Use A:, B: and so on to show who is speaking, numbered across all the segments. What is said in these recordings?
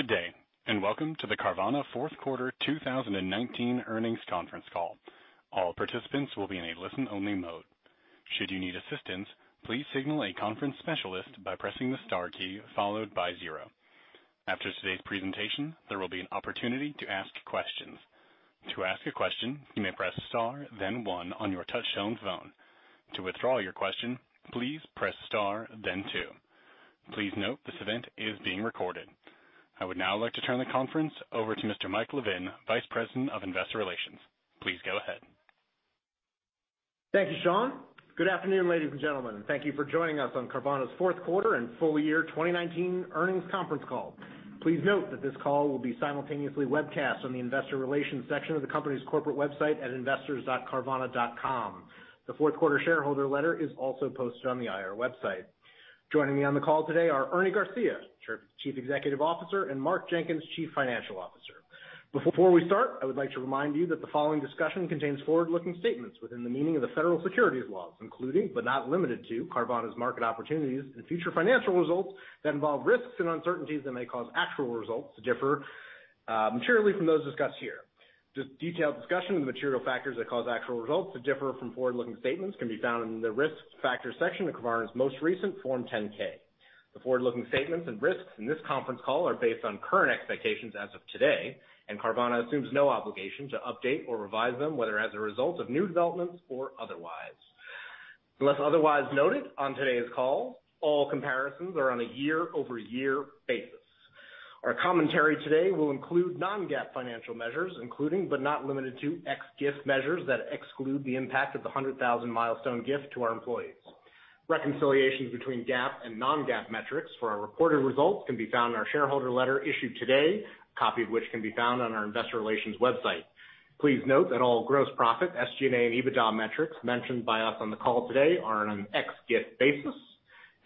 A: Good day, and welcome to the Carvana fourth quarter 2019 earnings conference call. All participants will be in a listen-only mode. Should you need assistance, please signal a conference specialist by pressing the star key followed by zero. After today's presentation, there will be an opportunity to ask questions. To ask a question, you may press star, then one on your touchtone phone. To withdraw your question, please press star, then two. Please note, this event is being recorded. I would now like to turn the conference over to Mr. Michael Levin, Vice President of Investor Relations. Please go ahead.
B: Thank you, Sean. Good afternoon, ladies and gentlemen. Thank you for joining us on Carvana's fourth quarter and full year 2019 earnings conference call. Please note that this call will be simultaneously webcast on the investor relations section of the company's corporate website at investors.carvana.com. The fourth quarter shareholder letter is also posted on the IR website. Joining me on the call today are Ernie Garcia, Chief Executive Officer, and Mark Jenkins, Chief Financial Officer. Before we start, I would like to remind you that the following discussion contains forward-looking statements within the meaning of the Federal Securities laws, including, but not limited to, Carvana's market opportunities and future financial results that involve risks and uncertainties that may cause actual results to differ materially from those discussed here. The detailed discussion of the material factors that cause actual results to differ from forward-looking statements can be found in the Risk Factors section of Carvana's most recent Form 10-K. The forward-looking statements and risks in this conference call are based on current expectations as of today, and Carvana assumes no obligation to update or revise them, whether as a result of new developments or otherwise. Unless otherwise noted on today's call, all comparisons are on a year-over-year basis. Our commentary today will include non-GAAP financial measures, including, but not limited to, ex-Gift measures that exclude the impact of the 100,000 milestone gift to our employees. Reconciliations between GAAP and non-GAAP metrics for our reported results can be found in our shareholder letter issued today, a copy of which can be found on our investor relations website. Please note that all gross profit, SG&A, and EBITDA metrics mentioned by us on the call today are on an ex-Gift basis.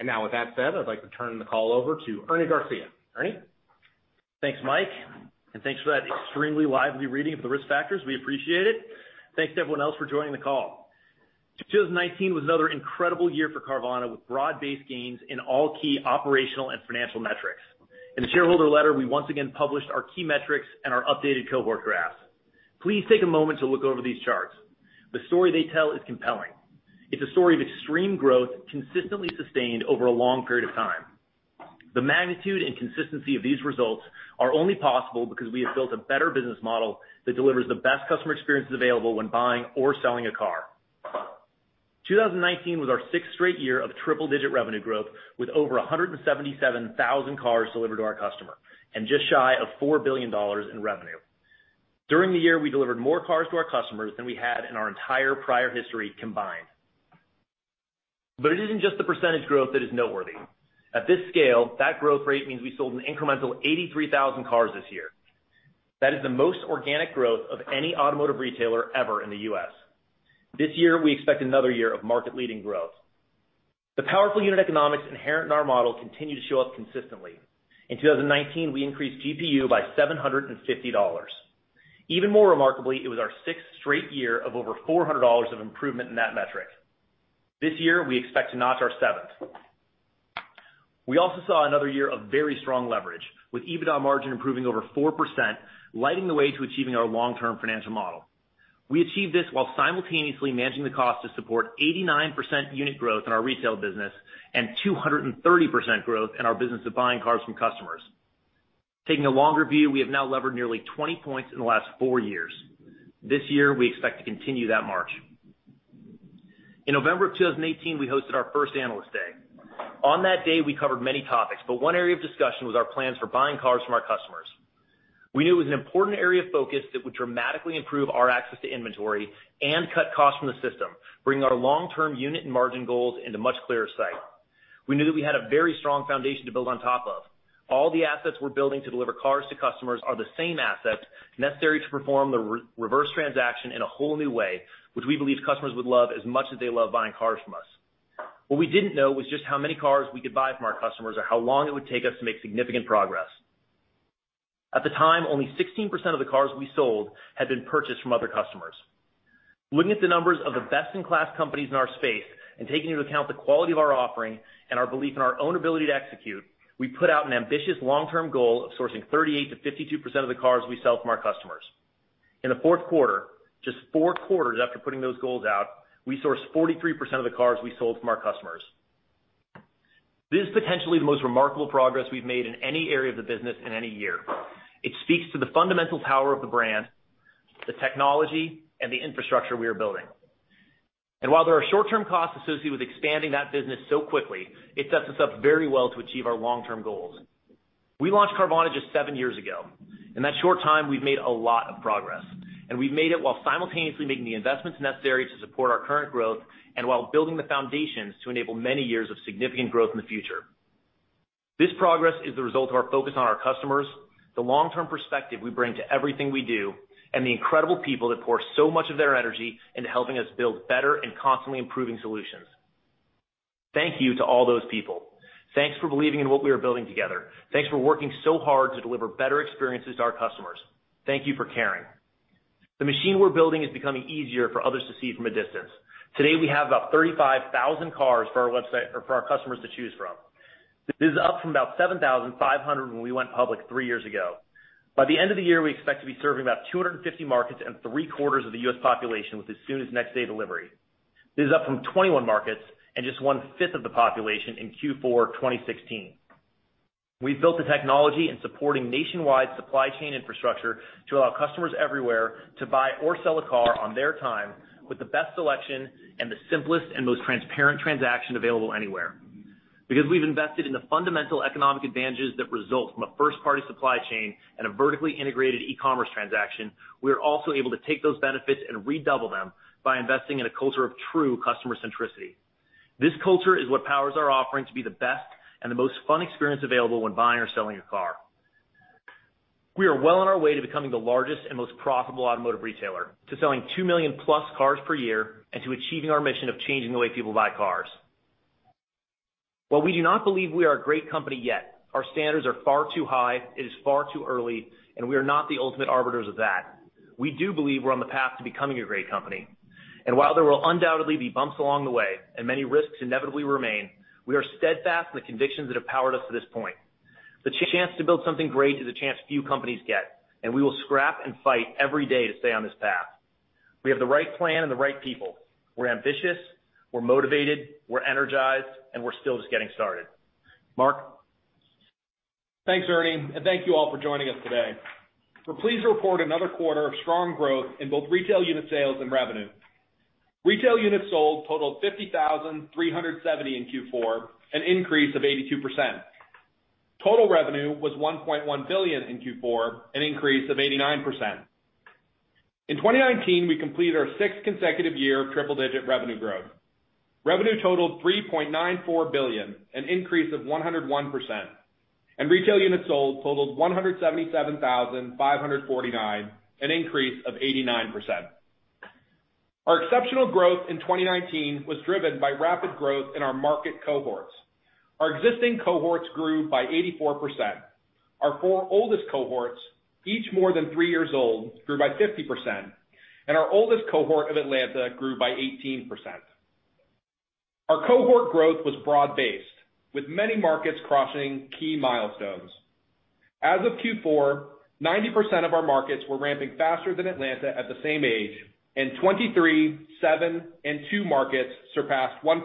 B: Now, with that said, I'd like to turn the call over to Ernie Garcia. Ernie?
C: Thanks, Mike, thanks for that extremely lively reading of the risk factors. We appreciate it. Thanks to everyone else for joining the call. 2019 was another incredible year for Carvana, with broad-based gains in all key operational and financial metrics. In the shareholder letter, we once again published our key metrics and our updated cohort graphs. Please take a moment to look over these charts. The story they tell is compelling. It's a story of extreme growth consistently sustained over a long period of time. The magnitude and consistency of these results are only possible because we have built a better business model that delivers the best customer experiences available when buying or selling a car. 2019 was our sixth straight year of triple-digit revenue growth, with over 177,000 cars delivered to our customer, just shy of $4 billion in revenue. During the year, we delivered more cars to our customers than we had in our entire prior history combined. It isn't just the percentage growth that is noteworthy. At this scale, that growth rate means we sold an incremental 83,000 cars this year. That is the most organic growth of any automotive retailer ever in the U.S. This year, we expect another year of market-leading growth. The powerful unit economics inherent in our model continue to show up consistently. In 2019, we increased GPU by $750. Even more remarkably, it was our sixth straight year of over $400 of improvement in that metric. This year, we expect to notch our seventh. We also saw another year of very strong leverage, with EBITDA margin improving over 4%, lighting the way to achieving our long-term financial model. We achieved this while simultaneously managing the cost to support 89% unit growth in our retail business and 230% growth in our business of buying cars from customers. Taking a longer view, we have now levered nearly 20 points in the last four years. This year, we expect to continue that march. In November of 2018, we hosted our first Analyst Day. On that day, we covered many topics, but one area of discussion was our plans for buying cars from our customers. We knew it was an important area of focus that would dramatically improve our access to inventory and cut costs from the system, bringing our long-term unit and margin goals into much clearer sight. We knew that we had a very strong foundation to build on top of. All the assets we're building to deliver cars to customers are the same assets necessary to perform the reverse transaction in a whole new way, which we believe customers would love as much as they love buying cars from us. What we didn't know was just how many cars we could buy from our customers or how long it would take us to make significant progress. At the time, only 16% of the cars we sold had been purchased from other customers. Looking at the numbers of the best-in-class companies in our space and taking into account the quality of our offering and our belief in our own ability to execute, we put out an ambitious long-term goal of sourcing 38%-52% of the cars we sell from our customers. In the fourth quarter, just four quarters after putting those goals out, we sourced 43% of the cars we sold from our customers. This is potentially the most remarkable progress we've made in any area of the business in any year. It speaks to the fundamental power of the brand, the technology, and the infrastructure we are building. While there are short-term costs associated with expanding that business so quickly, it sets us up very well to achieve our long-term goals. We launched Carvana just seven years ago. In that short time, we've made a lot of progress, and we've made it while simultaneously making the investments necessary to support our current growth and while building the foundations to enable many years of significant growth in the future. This progress is the result of our focus on our customers, the long-term perspective we bring to everything we do, and the incredible people that pour so much of their energy into helping us build better and constantly improving solutions. Thank you to all those people. Thanks for believing in what we are building together. Thanks for working so hard to deliver better experiences to our customers. Thank you for caring. The machine we're building is becoming easier for others to see from a distance. Today, we have about 35,000 cars for our customers to choose from. This is up from about 7,500 when we went public three years ago. By the end of the year, we expect to be serving about 250 markets and three-quarters of the U.S. population with as soon as next-day delivery. This is up from 21 markets and just 1/5 of the population in Q4 2016. We've built the technology and supporting nationwide supply chain infrastructure to allow customers everywhere to buy or sell a car on their time with the best selection and the simplest and most transparent transaction available anywhere. Because we've invested in the fundamental economic advantages that result from a first-party supply chain and a vertically integrated e-commerce transaction, we are also able to take those benefits and redouble them by investing in a culture of true customer centricity. This culture is what powers our offering to be the best and the most fun experience available when buying or selling a car. We are well on our way to becoming the largest and most profitable automotive retailer, to selling 2 million+ cars per year, and to achieving our mission of changing the way people buy cars. While we do not believe we are a great company yet, our standards are far too high, it is far too early, and we are not the ultimate arbiters of that. We do believe we're on the path to becoming a great company, and while there will undoubtedly be bumps along the way and many risks inevitably remain, we are steadfast in the convictions that have powered us to this point. The chance to build something great is a chance few companies get, and we will scrap and fight every day to stay on this path. We have the right plan and the right people. We're ambitious, we're motivated, we're energized, and we're still just getting started. Mark?
D: Thanks, Ernie. Thank you all for joining us today. We're pleased to report another quarter of strong growth in both retail unit sales and revenue. Retail units sold totaled 50,370 in Q4, an increase of 82%. Total revenue was $1.1 billion in Q4, an increase of 89%. In 2019, we completed our sixth consecutive year of triple-digit revenue growth. Revenue totaled $3.94 billion, an increase of 101%, and retail units sold totaled 177,549, an increase of 89%. Our exceptional growth in 2019 was driven by rapid growth in our market cohorts. Our existing cohorts grew by 84%. Our four oldest cohorts, each more than three years old, grew by 50%, and our oldest cohort of Atlanta grew by 18%. Our cohort growth was broad-based, with many markets crossing key milestones. As of Q4, 90% of our markets were ramping faster than Atlanta at the same age, and 23, seven, and two markets surpassed 1%,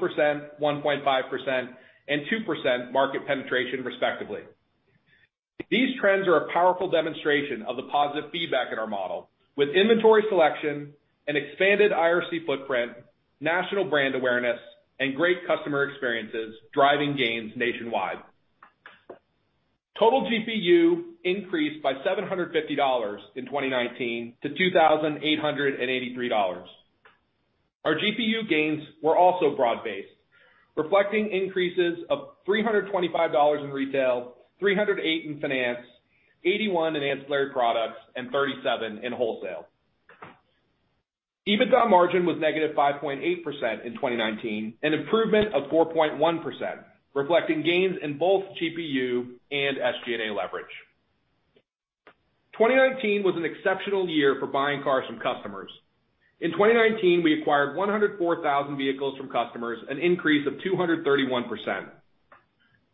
D: 1.5%, and 2% market penetration respectively. These trends are a powerful demonstration of the positive feedback in our model with inventory selection, an expanded IRC footprint, national brand awareness, and great customer experiences driving gains nationwide. Total GPU increased by $750 in 2019 to $2,883. Our GPU gains were also broad-based, reflecting increases of $325 in retail, $308 in finance, $81 in ancillary products, and $37 in wholesale. EBITDA margin was -5.8% in 2019, an improvement of 4.1%, reflecting gains in both GPU and SG&A leverage. 2019 was an exceptional year for buying cars from customers. In 2019, we acquired 104,000 vehicles from customers, an increase of 231%.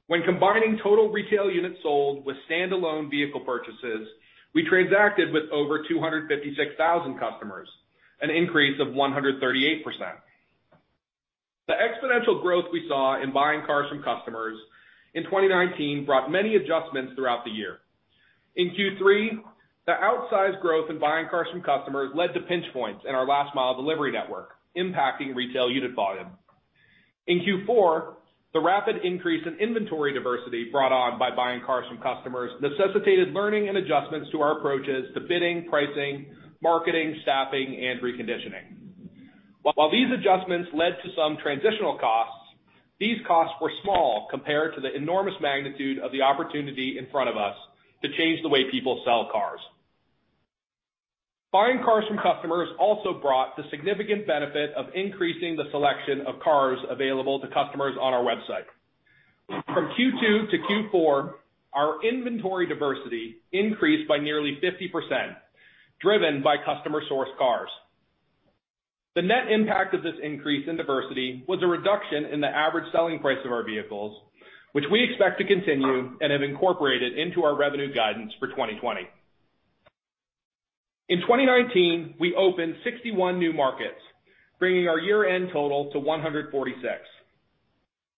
D: When combining total retail units sold with standalone vehicle purchases, we transacted with over 256,000 customers, an increase of 138%. The exponential growth we saw in buying cars from customers in 2019 brought many adjustments throughout the year. In Q3, the outsized growth in buying cars from customers led to pinch points in our last mile delivery network, impacting retail unit volume. In Q4, the rapid increase in inventory diversity brought on by buying cars from customers necessitated learning and adjustments to our approaches to bidding, pricing, marketing, staffing, and reconditioning. While these adjustments led to some transitional costs, these costs were small compared to the enormous magnitude of the opportunity in front of us to change the way people sell cars. Buying cars from customers also brought the significant benefit of increasing the selection of cars available to customers on our website. From Q2 to Q4, our inventory diversity increased by nearly 50%, driven by customer-sourced cars. The net impact of this increase in diversity was a reduction in the average selling price of our vehicles, which we expect to continue and have incorporated into our revenue guidance for 2020. In 2019, we opened 61 new markets, bringing our year-end total to 146.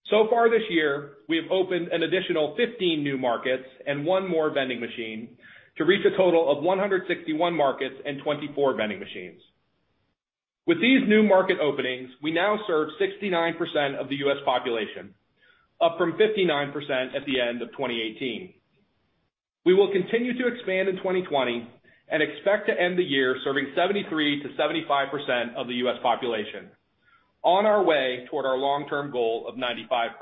D: Far this year, we have opened an additional 15 new markets and one more vending machine to reach a total of 161 markets and 24 vending machines. With these new market openings, we now serve 69% of the U.S. population, up from 59% at the end of 2018. We will continue to expand in 2020 and expect to end the year serving 73%-75% of the U.S. population, on our way toward our long-term goal of 95%.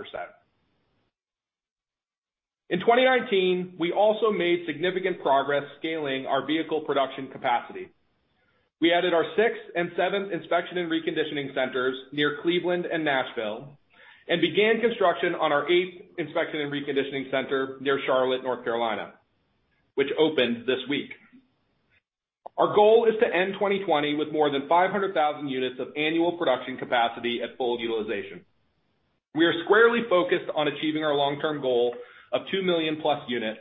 D: In 2019, we also made significant progress scaling our vehicle production capacity. We added our sixth and seventh Inspection and Reconditioning Centers near Cleveland and Nashville, and began construction on our eighth Inspection and Reconditioning Center near Charlotte, North Carolina, which opened this week. Our goal is to end 2020 with more than 500,000 units of annual production capacity at full utilization. We are squarely focused on achieving our long-term goal of 2 million+ units,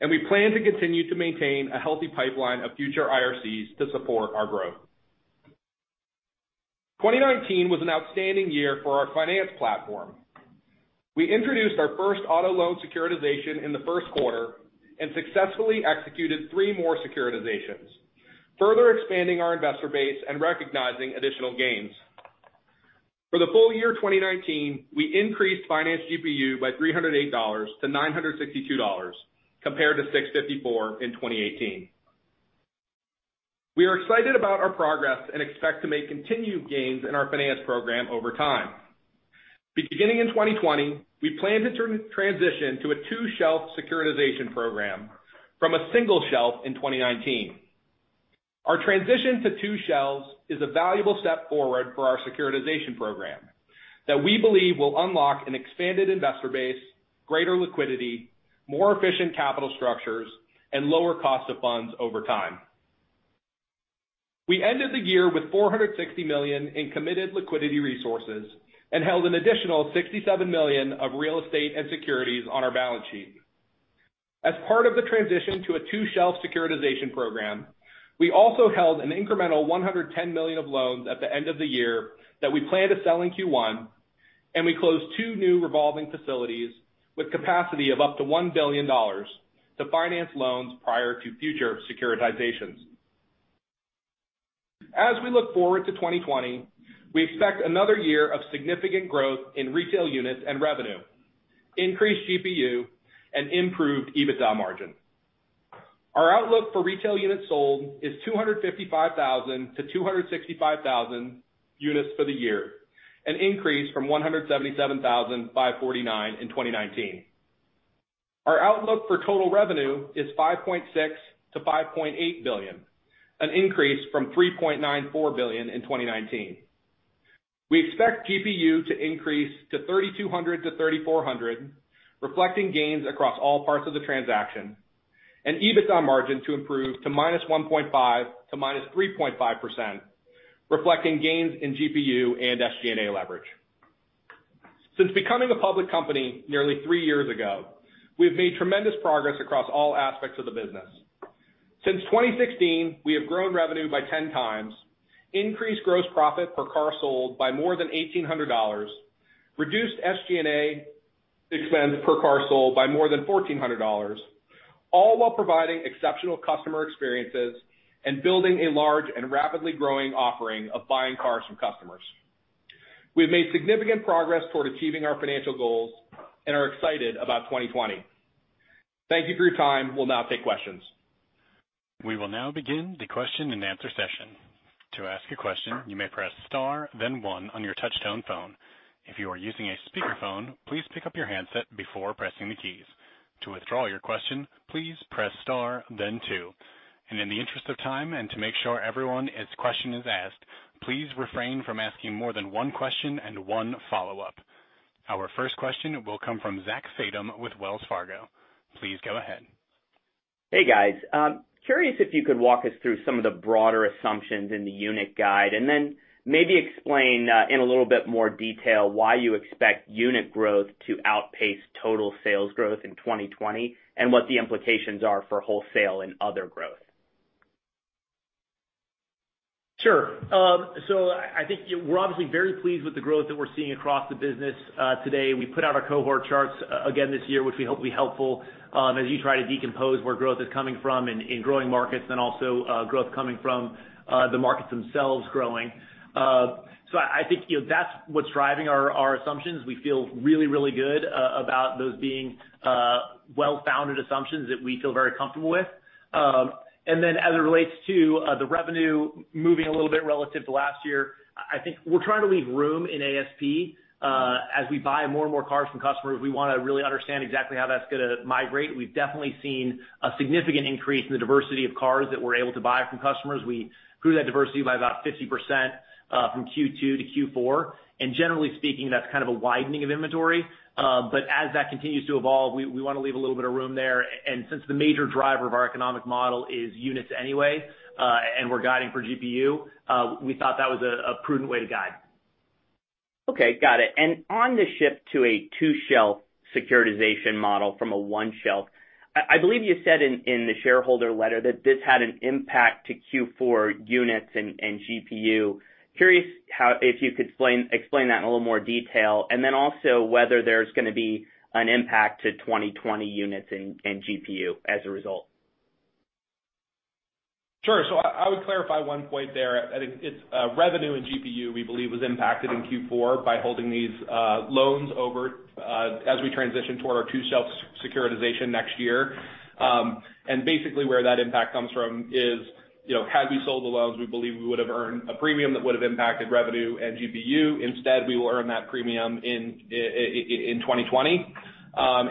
D: and we plan to continue to maintain a healthy pipeline of future IRCs to support our growth. 2019 was an outstanding year for our finance platform. We introduced our first auto loan securitization in the first quarter and successfully executed three more securitizations, further expanding our investor base and recognizing additional gains. For the full year 2019, we increased finance GPU by $308 to $962, compared to $654 in 2018. We are excited about our progress and expect to make continued gains in our finance program over time. Beginning in 2020, we plan to transition to a two-shelf securitization program from a single shelf in 2019. Our transition to two shelves is a valuable step forward for our securitization program that we believe will unlock an expanded investor base, greater liquidity, more efficient capital structures, and lower cost of funds over time. We ended the year with $460 million in committed liquidity resources and held an additional $67 million of real estate and securities on our balance sheet. As part of the transition to a two-shelf securitization program, we also held an incremental $110 million of loans at the end of the year that we plan to sell in Q1, and we closed two new revolving facilities with capacity of up to $1 billion to finance loans prior to future securitizations. As we look forward to 2020, we expect another year of significant growth in retail units and revenue, increased GPU, and improved EBITDA margin. Our outlook for retail units sold is 255,000-265,000 units for the year, an increase from 177,549 in 2019. Our outlook for total revenue is $5.6 billion-$5.8 billion, an increase from $3.94 billion in 2019. We expect GPU to increase to 3,200-3,400, reflecting gains across all parts of the transaction, and EBITDA margin to improve to -1.5% to -3.5%, reflecting gains in GPU and SG&A leverage. Since becoming a public company nearly three years ago, we have made tremendous progress across all aspects of the business. Since 2016, we have grown revenue by 10x, increased gross profit per car sold by more than $1,800, reduced SG&A expense per car sold by more than $1,400, all while providing exceptional customer experiences and building a large and rapidly growing offering of buying cars from customers. We have made significant progress toward achieving our financial goals and are excited about 2020. Thank you for your time. We'll now take questions.
A: We will now begin the question and answer session. To ask a question, you may press star then one on your touchtone phone. If you are using a speakerphone, please pick up your handset before pressing the keys. To withdraw your question, please press star then two. In the interest of time and to make sure everyone's question is asked, please refrain from asking more than one question and one follow-up. Our first question will come from Zach Fadem with Wells Fargo. Please go ahead.
E: Hey, guys. Curious if you could walk us through some of the broader assumptions in the unit guide, and then maybe explain in a little bit more detail why you expect unit growth to outpace total sales growth in 2020, and what the implications are for wholesale and other growth.
D: Sure. I think we're obviously very pleased with the growth that we're seeing across the business today. We put out our cohort charts again this year, which we hope will be helpful as you try to decompose where growth is coming from in growing markets and also growth coming from the markets themselves growing. I think that's what's driving our assumptions. We feel really, really good about those being well-founded assumptions that we feel very comfortable with. Then as it relates to the revenue moving a little bit relative to last year, I think we're trying to leave room in ASP. As we buy more and more cars from customers, we want to really understand exactly how that's going to migrate. We've definitely seen a significant increase in the diversity of cars that we're able to buy from customers. We grew that diversity by about 50% from Q2 to Q4. Generally speaking, that's kind of a widening of inventory. As that continues to evolve, we want to leave a little bit of room there. Since the major driver of our economic model is units anyway, and we're guiding for GPU, we thought that was a prudent way to guide.
E: Okay, got it. On the shift to a two-shelf securitization model from a one-shelf, I believe you said in the shareholder letter that this had an impact to Q4 units and GPU. Curious if you could explain that in a little more detail, whether there's going to be an impact to 2020 units and GPU as a result?
D: Sure. I would clarify one point there. I think it's revenue and GPU, we believe, was impacted in Q4 by holding these loans over as we transition toward our two-shelf securitization next year. Basically where that impact comes from is had we sold the loans, we believe we would have earned a premium that would have impacted revenue and GPU. Instead, we will earn that premium in 2020.
C: I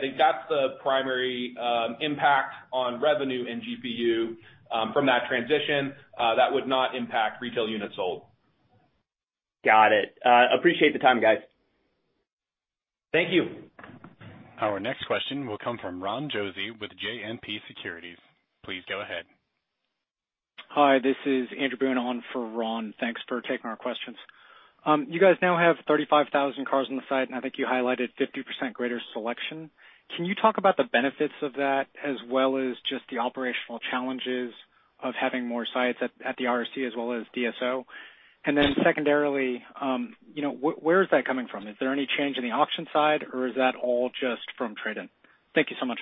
C: think that's the primary impact on revenue and GPU from that transition. That would not impact retail units sold. Got it. Appreciate the time, guys. Thank you.
A: Our next question will come from Ron Josey with JMP Securities. Please go ahead.
F: Hi, this is Andrew Boone on for Ron. Thanks for taking our questions. You guys now have 35,000 cars on the site, and I think you highlighted 50% greater selection. Can you talk about the benefits of that, as well as just the operational challenges of having more sites at the IRC as well as DSO? Secondarily, where is that coming from? Is there any change in the auction side or is that all just from trade-in? Thank you so much.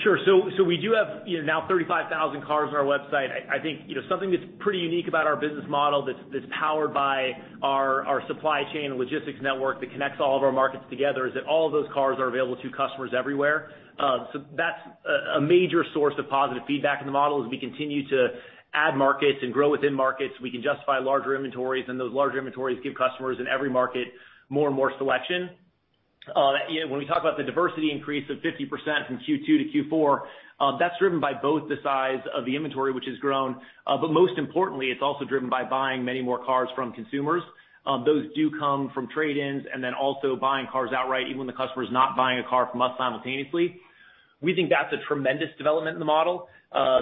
C: Sure. We do have now 35,000 cars on our website. I think something that's pretty unique about our business model that's powered by our supply chain and logistics network that connects all of our markets together, is that all of those cars are available to customers everywhere. That's a major source of positive feedback in the model. As we continue to add markets and grow within markets, we can justify larger inventories, and those larger inventories give customers in every market more and more selection. When we talk about the diversity increase of 50% from Q2 to Q4, that's driven by both the size of the inventory, which has grown. Most importantly, it's also driven by buying many more cars from consumers. Those do come from trade-ins and then also buying cars outright, even when the customer is not buying a car from us simultaneously. We think that's a tremendous development in the model.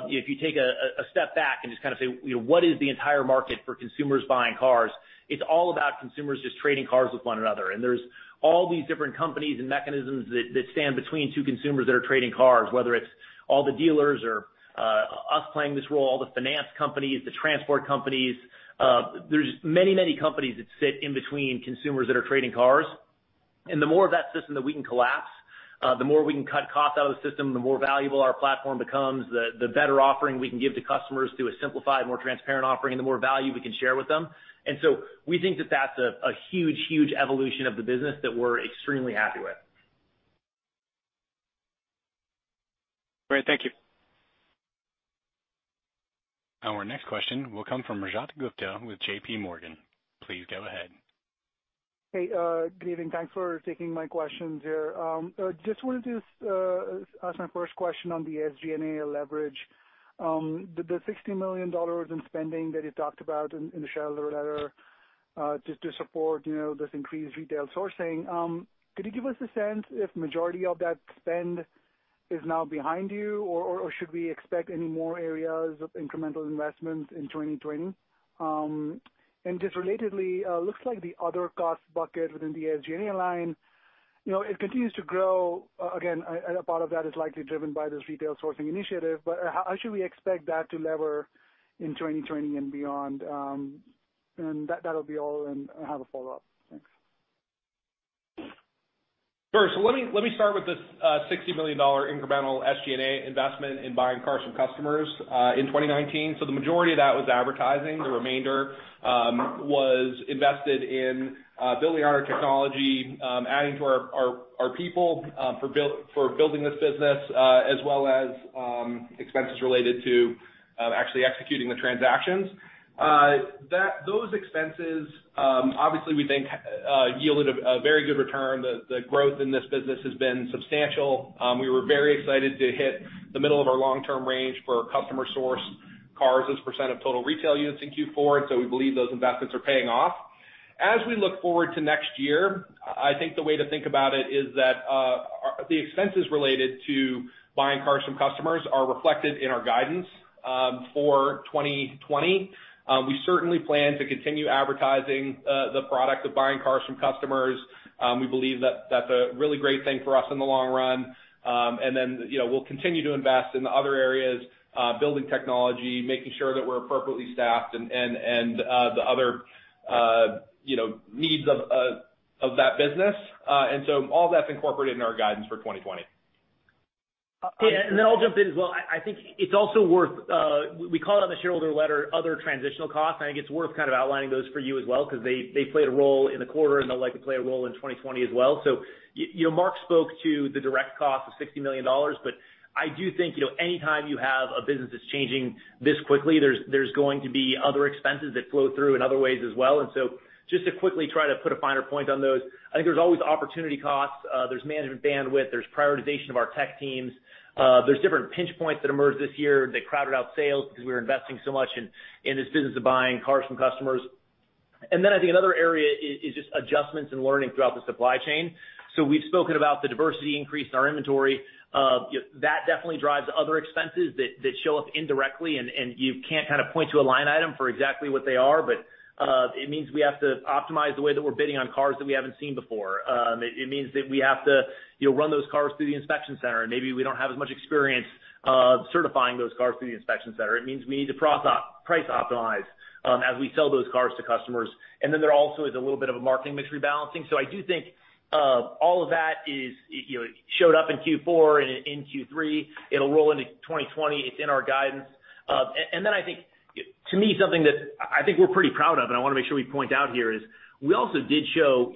C: If you take a step back and just say, what is the entire market for consumers buying cars? It's all about consumers just trading cars with one another, and there's all these different companies and mechanisms that stand between two consumers that are trading cars, whether it's all the dealers or us playing this role, all the finance companies, the transport companies. There's many companies that sit in between consumers that are trading cars. The more of that system that we can collapse, the more we can cut cost out of the system, the more valuable our platform becomes, the better offering we can give to customers through a simplified, more transparent offering, and the more value we can share with them. We think that that's a huge evolution of the business that we're extremely happy with.
F: Great. Thank you.
A: Our next question will come from Rajat Gupta with JPMorgan. Please go ahead.
G: Hey, good evening. Thanks for taking my questions here. Just wanted to ask my first question on the SG&A leverage. The $60 million in spending that you talked about in the shareholder letter to support this increased retail sourcing, could you give us a sense if majority of that spend is now behind you, or should we expect any more areas of incremental investments in 2020? Just relatedly, looks like the other cost bucket within the SG&A line, it continues to grow. Again, a part of that is likely driven by this retail sourcing initiative, how should we expect that to lever in 2020 and beyond? That'll be all, and I have a follow-up. Thanks.
D: Let me start with this $60 million incremental SG&A investment in buying cars from customers in 2019. The majority of that was advertising. The remainder was invested in building out our technology, adding to our people for building this business, as well as expenses related to actually executing the transactions. Those expenses, obviously, we think yielded a very good return. The growth in this business has been substantial. We were very excited to hit the middle of our long-term range for customer source cars as percent of total retail units in Q4. We believe those investments are paying off. As we look forward to next year, I think the way to think about it is that the expenses related to buying cars from customers are reflected in our guidance for 2020. We certainly plan to continue advertising the product of buying cars from customers. We believe that that's a really great thing for us in the long run. We'll continue to invest in the other areas, building technology, making sure that we're appropriately staffed, and the other needs of that business. All that's incorporated in our guidance for 2020.
C: I'll jump in as well. I think it's also worth, we call it in the shareholder letter, other transitional costs, and I think it's worth outlining those for you as well, because they played a role in the quarter, and they'll likely play a role in 2020 as well. Mark spoke to the direct cost of $60 million, but I do think anytime you have a business that's changing this quickly, there's going to be other expenses that flow through in other ways as well. Just to quickly try to put a finer point on those, I think there's always opportunity costs. There's management bandwidth, there's prioritization of our tech teams. There's different pinch points that emerged this year that crowded out sales because we were investing so much in this business of buying cars from customers. Then I think another area is just adjustments and learning throughout the supply chain. We've spoken about the diversity increase in our inventory. That definitely drives other expenses that show up indirectly, and you can't point to a line item for exactly what they are, but it means we have to optimize the way that we're bidding on cars that we haven't seen before. It means that we have to run those cars through the inspection center, and maybe we don't have as much experience certifying those cars through the inspection center. It means we need to price optimize as we sell those cars to customers. There also is a little bit of a marketing mix rebalancing. I do think all of that showed up in Q4 and in Q3. It'll roll into 2020. It's in our guidance. I think to me, something that I think we're pretty proud of, and I want to make sure we point out here, is we also did show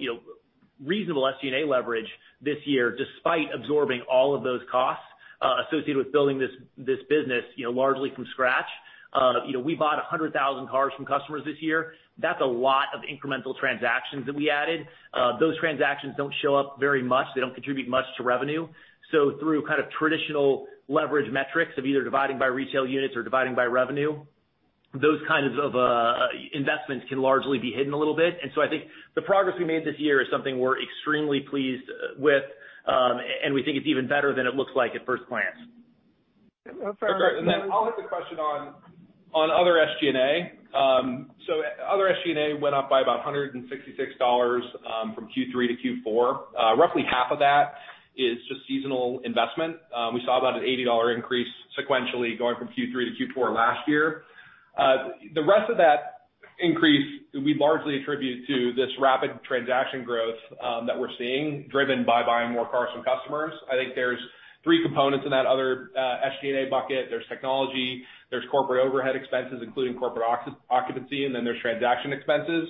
C: reasonable SG&A leverage this year, despite absorbing all of those costs associated with building this business largely from scratch. We bought 100,000 cars from customers this year. That's a lot of incremental transactions that we added. Those transactions don't show up very much. They don't contribute much to revenue. Through traditional leverage metrics of either dividing by retail units or dividing by revenue, those kinds of investments can largely be hidden a little bit. I think the progress we made this year is something we're extremely pleased with, and we think it's even better than it looks like at first glance.
D: I'll hit the question on other SG&A. Other SG&A went up by about $166 from Q3 to Q4. Roughly half of that is just seasonal investment. We saw about an $80 increase sequentially going from Q3 to Q4 last year. The rest of that increase, we largely attribute to this rapid transaction growth that we're seeing, driven by buying more cars from customers. I think there's three components in that other SG&A bucket. There's technology, there's corporate overhead expenses, including corporate occupancy, there's transaction expenses.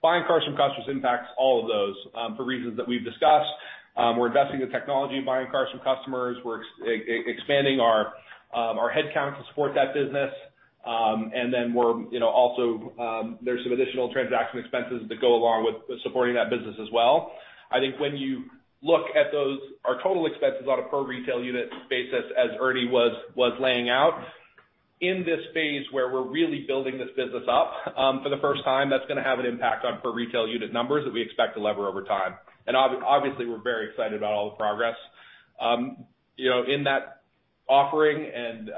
D: Buying cars from customers impacts all of those, for reasons that we've discussed. We're investing in technology, buying cars from customers. We're expanding our headcount to support that business. There's some additional transaction expenses that go along with supporting that business as well. I think when you look at our total expenses on a per retail unit basis, as Ernie was laying out, in this phase where we're really building this business up for the first time, that's going to have an impact on per retail unit numbers that we expect to lever over time. Obviously, we're very excited about all the progress in that offering and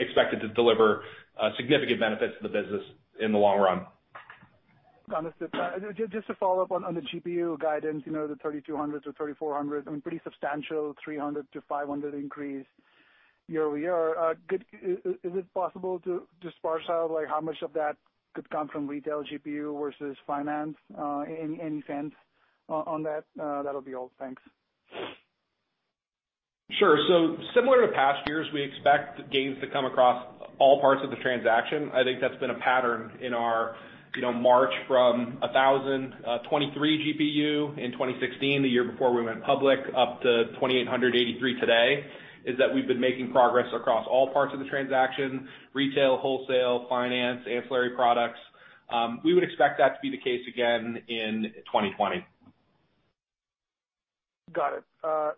D: expect it to deliver significant benefits to the business in the long run.
G: Got it. Just to follow up on the GPU guidance, the 3,200 to 3,400, pretty substantial 300 to 500 increase year-over-year. Is it possible to disperse out how much of that could come from retail GPU versus finance? Any sense on that? That'll be all. Thanks.
D: Sure. Similar to past years, we expect gains to come across all parts of the transaction. I think that's been a pattern in our march from 1,023 GPU in 2016, the year before we went public, up to 2,883 today, is that we've been making progress across all parts of the transaction, retail, wholesale, finance, ancillary products. We would expect that to be the case again in 2020.
G: Got it.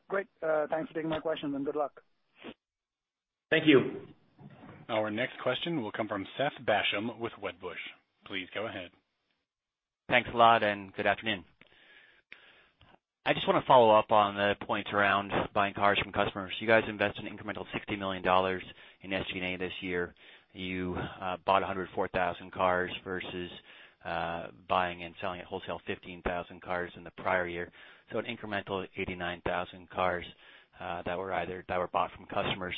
G: Great. Thanks for taking my question. Good luck.
C: Thank you.
A: Our next question will come from Seth Basham with Wedbush. Please go ahead.
H: Thanks a lot, good afternoon. I just want to follow up on the points around buying cars from customers. You guys invested an incremental $60 million in SG&A this year. You bought 104,000 cars versus buying and selling at wholesale 15,000 cars in the prior year. An incremental 89,000 cars that were bought from customers.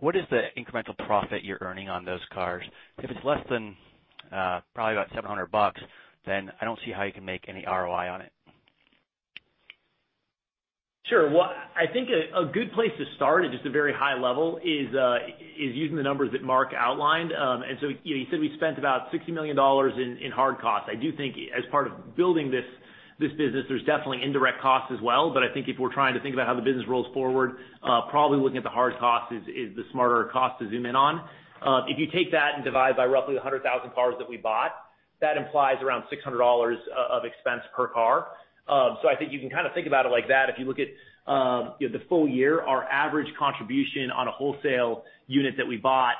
H: What is the incremental profit you're earning on those cars? If it's less than probably about $700, I don't see how you can make any ROI on it.
C: Sure. I think a good place to start at just a very high level is using the numbers that Mark outlined. He said we spent about $60 million in hard costs. I do think as part of building this business, there's definitely indirect costs as well. I think if we're trying to think about how the business rolls forward, probably looking at the hard cost is the smarter cost to zoom in on. If you take that and divide by roughly 100,000 cars that we bought, that implies around $600 of expense per car. I think you can think about it like that. If you look at the full year, our average contribution on a wholesale unit that we bought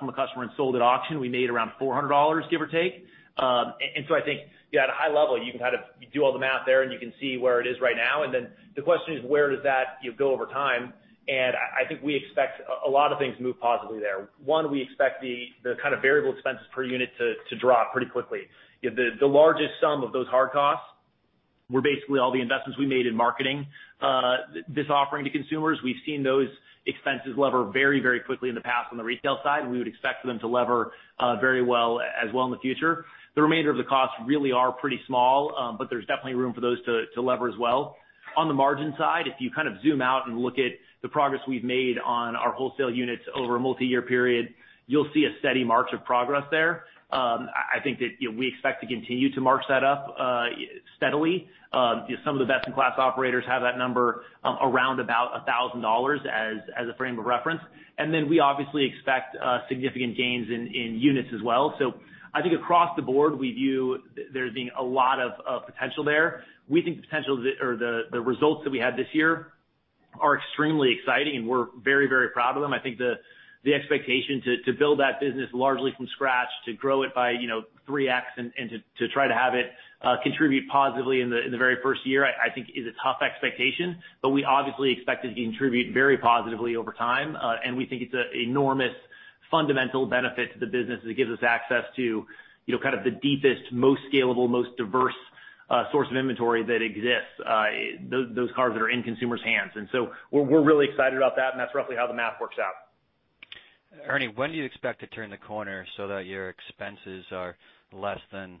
C: from a customer and sold at auction, we made around $400, give or take. I think at a high level, you do all the math there, and you can see where it is right now. Then the question is, where does that go over time? I think we expect a lot of things to move positively there. One, we expect the variable expenses per unit to drop pretty quickly. The largest sum of those hard costs were basically all the investments we made in marketing this offering to consumers. We've seen those expenses lever very quickly in the past on the retail side, and we would expect them to lever very well as well in the future. The remainder of the costs really are pretty small, but there's definitely room for those to lever as well. On the margin side, if you zoom out and look at the progress we've made on our wholesale units over a multi-year period, you'll see a steady march of progress there. I think that we expect to continue to march that up steadily. Some of the best-in-class operators have that number around about $1,000 as a frame of reference. We obviously expect significant gains in units as well. I think across the board, we view there being a lot of potential there. We think the results that we had this year are extremely exciting, and we're very proud of them. I think the expectation to build that business largely from scratch, to grow it by 3x and to try to have it contribute positively in the very first year, I think is a tough expectation. We obviously expect it to contribute very positively over time, and we think it's an enormous fundamental benefit to the business that it gives us access to the deepest, most scalable, most diverse source of inventory that exists, those cars that are in consumers' hands. We're really excited about that, and that's roughly how the math works out.
H: Ernie, when do you expect to turn the corner so that your expenses are less than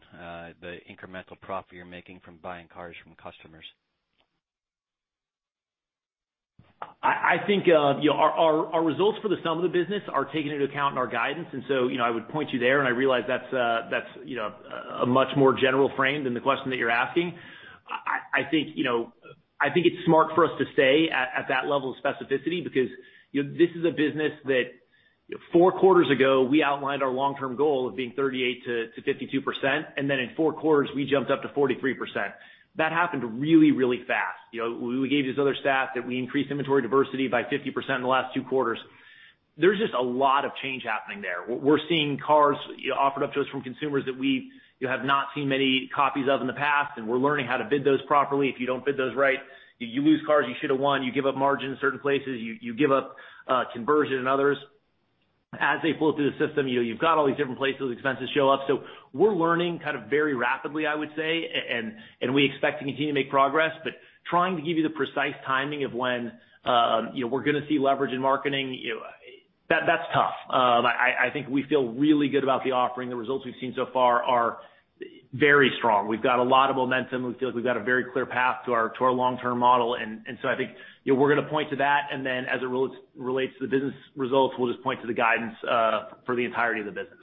H: the incremental profit you're making from buying cars from customers?
C: I think our results for the sum of the business are taken into account in our guidance. I would point you there, and I realize that's a much more general frame than the question that you're asking. I think it's smart for us to stay at that level of specificity because this is a business that four quarters ago we outlined our long-term goal of being 38%-52%, and then in four quarters we jumped up to 43%. That happened really fast. We gave these other stats that we increased inventory diversity by 50% in the last two quarters. There's just a lot of change happening there. We're seeing cars offered up to us from consumers that we have not seen many copies of in the past, and we're learning how to bid those properly. If you don't bid those right, you lose cars you should have won, you give up margin in certain places, you give up conversion in others. As they pull through the system, you've got all these different places expenses show up. We're learning very rapidly, I would say, and we expect to continue to make progress. Trying to give you the precise timing of when we're going to see leverage in marketing, that's tough. I think we feel really good about the offering. The results we've seen so far are very strong. We've got a lot of momentum. We feel like we've got a very clear path to our long-term model. I think we're going to point to that, and then as it relates to the business results, we'll just point to the guidance for the entirety of the business.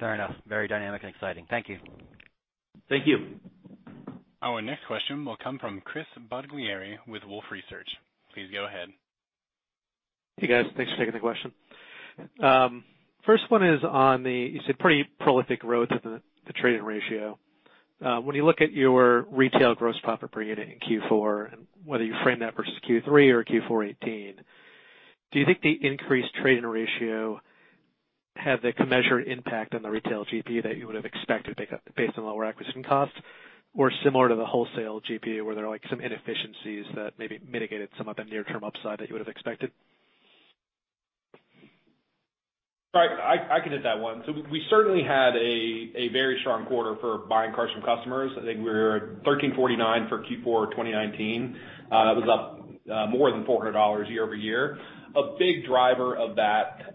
H: Fair enough. Very dynamic and exciting. Thank you.
C: Thank you.
A: Our next question will come from Chris Bottiglieri with Wolfe Research. Please go ahead.
I: Hey, guys. Thanks for taking the question. First one is on the, you said, pretty prolific growth of the trade-in ratio. When you look at your retail gross profit per unit in Q4, and whether you frame that versus Q3 or Q4 2018, do you think the increased trade-in ratio had the commensurate impact on the retail GPU that you would've expected based on lower acquisition costs? Or similar to the wholesale GPU, where there are some inefficiencies that maybe mitigated some of the near-term upside that you would've expected?
C: All right. I can hit that one. We certainly had a very strong quarter for buying cars from customers. I think we were at 1,349 for Q4 2019. That was up more than $400 year-over-year. A big driver of that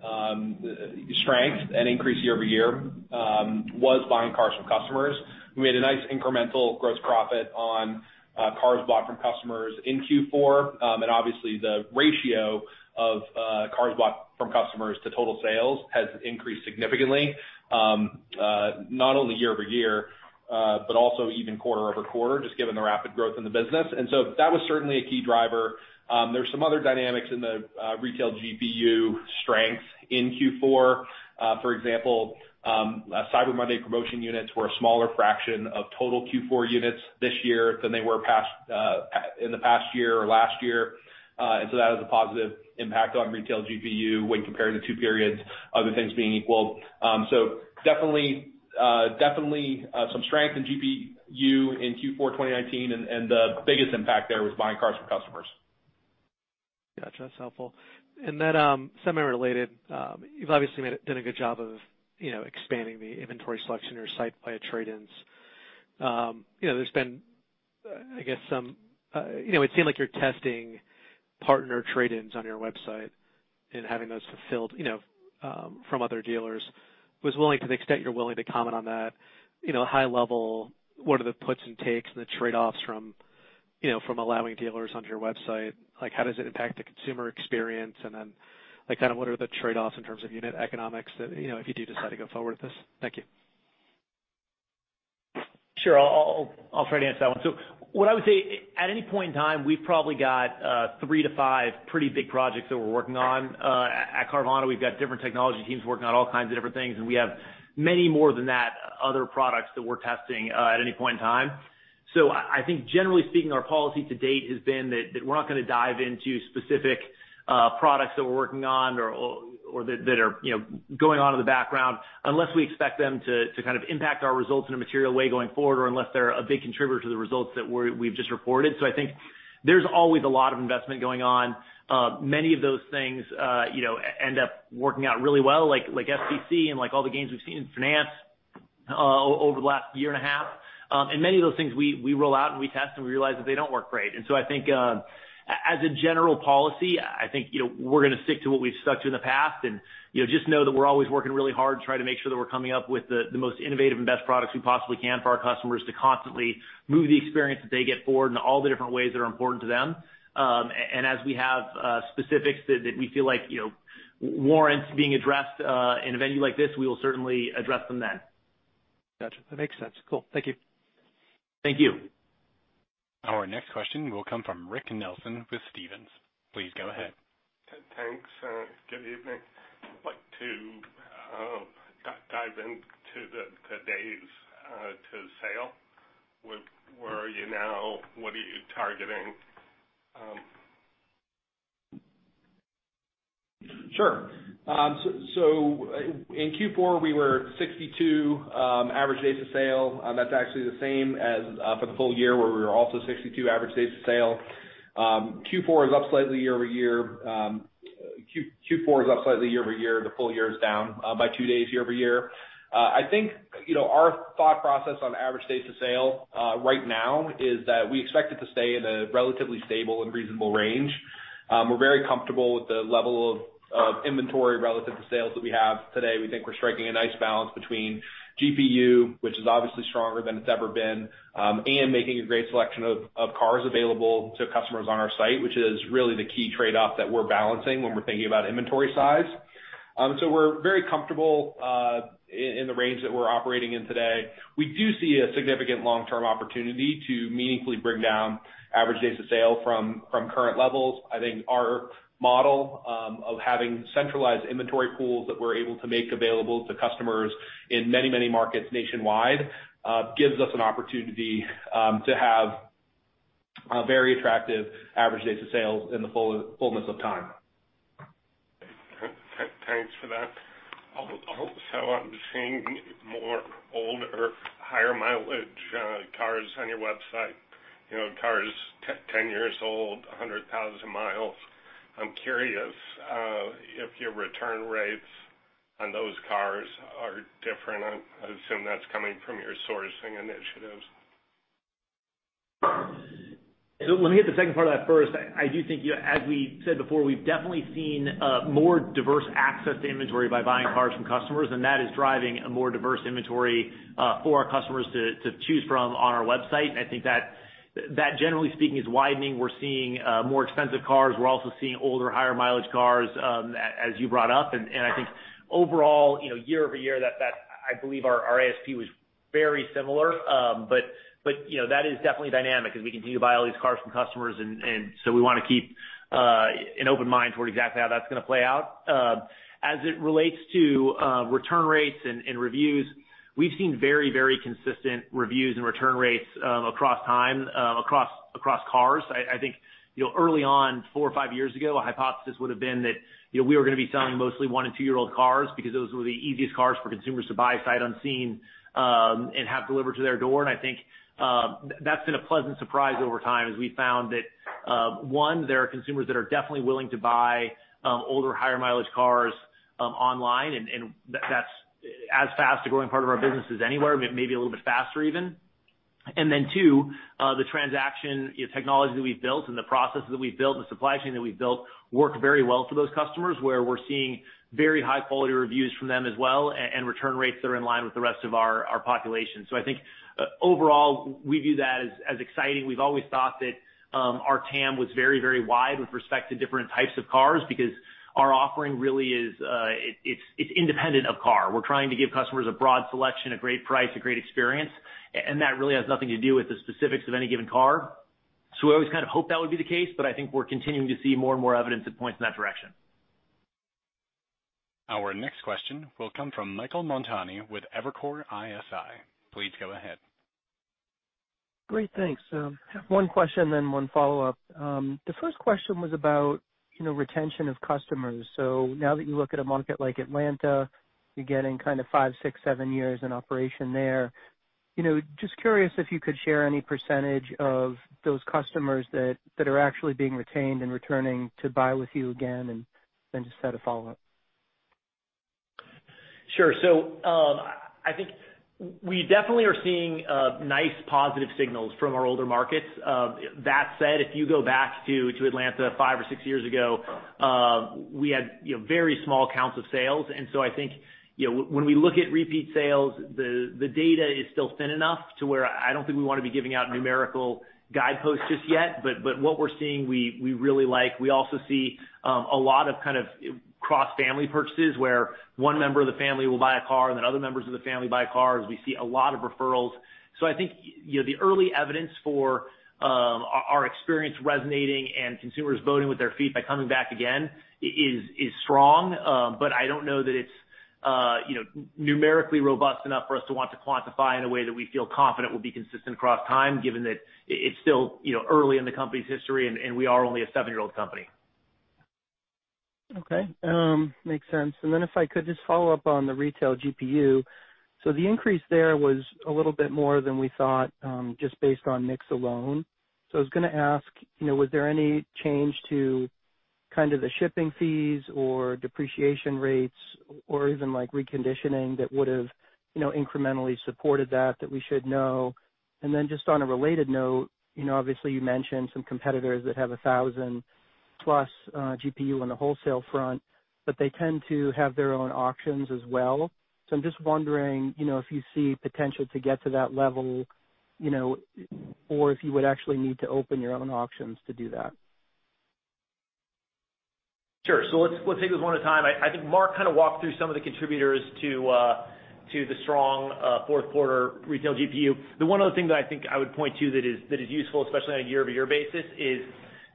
C: strength and increase year-over-year was buying cars from customers. We made a nice incremental gross profit on cars bought from customers in Q4. Obviously the ratio of cars bought from customers to total sales has increased significantly, not only year-over-year, but also even quarter-over-quarter, just given the rapid growth in the business. That was certainly a key driver. There's some other dynamics in the retail GPU strength in Q4. For example, Cyber Monday promotion units were a smaller fraction of total Q4 units this year than they were in the past year or last year. That has a positive impact on retail GPU when comparing the two periods, other things being equal. Definitely some strength in GPU in Q4 2019, and the biggest impact there was buying cars from customers.
I: Gotcha. That's helpful. Semi-related, you've obviously done a good job of expanding the inventory selection or site via trade-ins. It'd seem like you're testing partner trade-ins on your website and having those fulfilled from other dealers. To the extent you're willing to comment on that, high level, what are the puts and takes and the trade-offs from allowing dealers onto your website? How does it impact the consumer experience? What are the trade-offs in terms of unit economics that, if you do decide to go forward with this? Thank you.
C: Sure. I'll try to answer that one. What I would say, at any point in time, we've probably got three to five pretty big projects that we're working on. At Carvana, we've got different technology teams working on all kinds of different things, and we have many more than that, other products that we're testing at any point in time. I think generally speaking, our policy to date has been that we're not going to dive into specific products that we're working on or that are going on in the background unless we expect them to impact our results in a material way going forward, or unless they're a big contributor to the results that we've just reported. I think there's always a lot of investment going on. Many of those things end up working out really well, like FCC and like all the gains we've seen in finance over the last year and a half. Many of those things we roll out and we test and we realize that they don't work great. So I think, as a general policy, I think we're going to stick to what we've stuck to in the past and just know that we're always working really hard to try to make sure that we're coming up with the most innovative and best products we possibly can for our customers to constantly move the experience that they get forward in all the different ways that are important to them. As we have specifics that we feel like warrants being addressed in a venue like this, we will certainly address them then.
I: Gotcha. That makes sense. Cool. Thank you.
C: Thank you.
A: Our next question will come from Rick Nelson with Stephens. Please go ahead.
J: Thanks. Good evening. Like to dive into the days to sale. Where are you now? What are you targeting?
C: In Q4, we were 62 average days to sale. That's actually the same as for the full year, where we were also 62 average days to sale. Q4 is up slightly year-over-year. The full year is down by two days year-over-year. I think our thought process on average days to sale right now is that we expect it to stay in a relatively stable and reasonable range. We're very comfortable with the level of inventory relative to sales that we have today. We think we're striking a nice balance between GPU, which is obviously stronger than it's ever been, and making a great selection of cars available to customers on our site, which is really the key trade-off that we're balancing when we're thinking about inventory size. We're very comfortable in the range that we're operating in today. We do see a significant long-term opportunity to meaningfully bring down average days to sale from current levels. I think our model of having centralized inventory pools that we're able to make available to customers in many, many markets nationwide gives us an opportunity to have very attractive average days to sales in the fullness of time.
J: Thanks for that. Also, I'm seeing more older, higher mileage cars on your website. Cars 10 years old, 100,000 mi. I'm curious if your return rates on those cars are different. I assume that's coming from your sourcing initiatives.
C: Let me hit the second part of that first. I do think, as we said before, we've definitely seen a more diverse access to inventory by buying cars from customers, and that is driving a more diverse inventory for our customers to choose from on our website. I think that generally speaking, is widening. We're seeing more expensive cars. We're also seeing older, higher mileage cars, as you brought up. I think overall, year-over-year, I believe our ASP was very similar. That is definitely dynamic as we continue to buy all these cars from customers. We want to keep an open mind toward exactly how that's going to play out. As it relates to return rates and reviews, we've seen very, very consistent reviews and return rates across time, across cars. I think early on, four or five years ago, a hypothesis would've been that we were going to be selling mostly one and two-year-old cars because those were the easiest cars for consumers to buy sight unseen, and have delivered to their door. I think that's been a pleasant surprise over time, as we found that one, there are consumers that are definitely willing to buy older, higher mileage cars online. That's as fast a growing part of our business as anywhere, maybe a little bit faster even. Two, the transaction technology that we've built, and the processes that we've built, and the supply chain that we've built, work very well for those customers, where we're seeing very high-quality reviews from them as well, and return rates that are in line with the rest of our population. I think overall, we view that as exciting. We've always thought that our TAM was very, very wide with respect to different types of cars because our offering really is independent of car. We're trying to give customers a broad selection, a great price, a great experience, and that really has nothing to do with the specifics of any given car. We always kind of hoped that would be the case. I think we're continuing to see more and more evidence that points in that direction.
A: Our next question will come from Michael Montani with Evercore ISI. Please go ahead.
K: Great. Thanks. One question, one follow-up. The first question was about retention of customers. Now that you look at a market like Atlanta, you're getting kind of five, six, seven years in operation there. Just curious if you could share any percentage of those customers that are actually being retained and returning to buy with you again, just had a follow-up.
C: Sure. I think we definitely are seeing nice positive signals from our older markets. That said, if you go back to Atlanta five or six years ago, we had very small counts of sales. I think when we look at repeat sales, the data is still thin enough to where I don't think we want to be giving out numerical guideposts just yet. What we're seeing, we really like. We also see a lot of cross-family purchases where one member of the family will buy a car and then other members of the family buy cars. We see a lot of referrals. I think the early evidence for our experience resonating and consumers voting with their feet by coming back again is strong. I don't know that it's numerically robust enough for us to want to quantify in a way that we feel confident will be consistent across time, given that it's still early in the company's history, and we are only a seven-year-old company.
K: Okay, makes sense. If I could just follow up on the retail GPU. The increase there was a little bit more than we thought, just based on mix alone. I was going to ask was there any change to the shipping fees or depreciation rates or even reconditioning that would've incrementally supported that we should know? Just on a related note, obviously you mentioned some competitors that have 1,000+ GPU on the wholesale front, but they tend to have their own auctions as well. I'm just wondering if you see potential to get to that level or if you would actually need to open your own auctions to do that.
C: Sure. Let's take this one at a time. I think Mark kind of walked through some of the contributors to the strong fourth quarter retail GPU. The one other thing that I think I would point to that is useful, especially on a year-over-year basis, is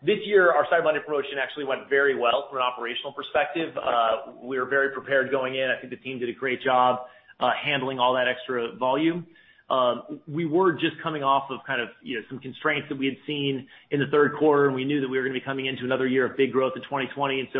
C: this year our Cyber Monday promotion actually went very well from an operational perspective. We were very prepared going in. I think the team did a great job handling all that extra volume. We were just coming off of some constraints that we had seen in the third quarter, and we knew that we were going to be coming into another year of big growth in 2020.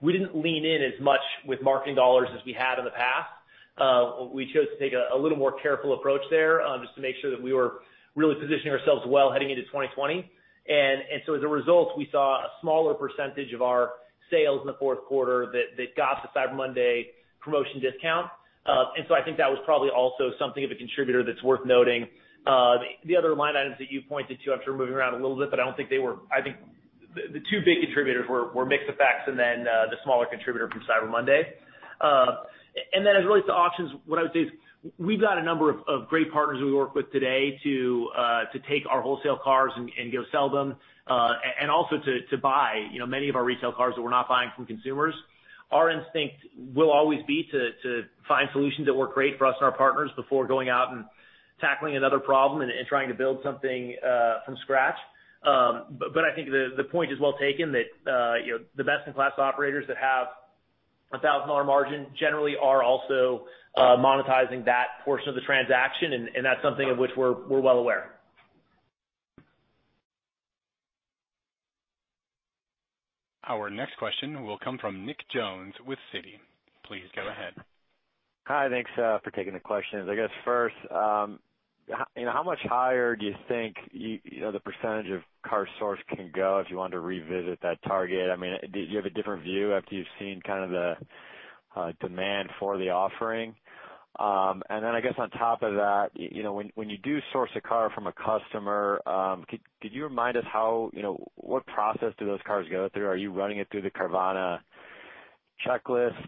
C: We didn't lean in as much with marketing dollars as we had in the past. We chose to take a little more careful approach there, just to make sure that we were really positioning ourselves well heading into 2020. As a result, we saw a smaller percentage of our sales in the fourth quarter that got the Cyber Monday promotion discount. I think that was probably also something of a contributor that's worth noting. The other line items that you pointed to, I'm sure moving around a little bit, but I think the two big contributors were mix effects and then the smaller contributor from Cyber Monday. As it relates to auctions, what I would say is we've got a number of great partners we work with today to take our wholesale cars and go sell them, and also to buy many of our retail cars that we're not buying from consumers. Our instinct will always be to find solutions that work great for us and our partners before going out and tackling another problem and trying to build something from scratch. I think the point is well taken that the best-in-class operators that have a $1,000 margin generally are also monetizing that portion of the transaction, and that's something of which we're well aware.
A: Our next question will come from Nick Jones with Citi. Please go ahead.
L: Hi. Thanks for taking the questions. I guess, first, how much higher do you think the percentage of car source can go if you wanted to revisit that target? Do you have a different view after you've seen the demand for the offering? Then, I guess on top of that, when you do source a car from a customer, could you remind us what process do those cars go through? Are you running it through the Carvana checklist?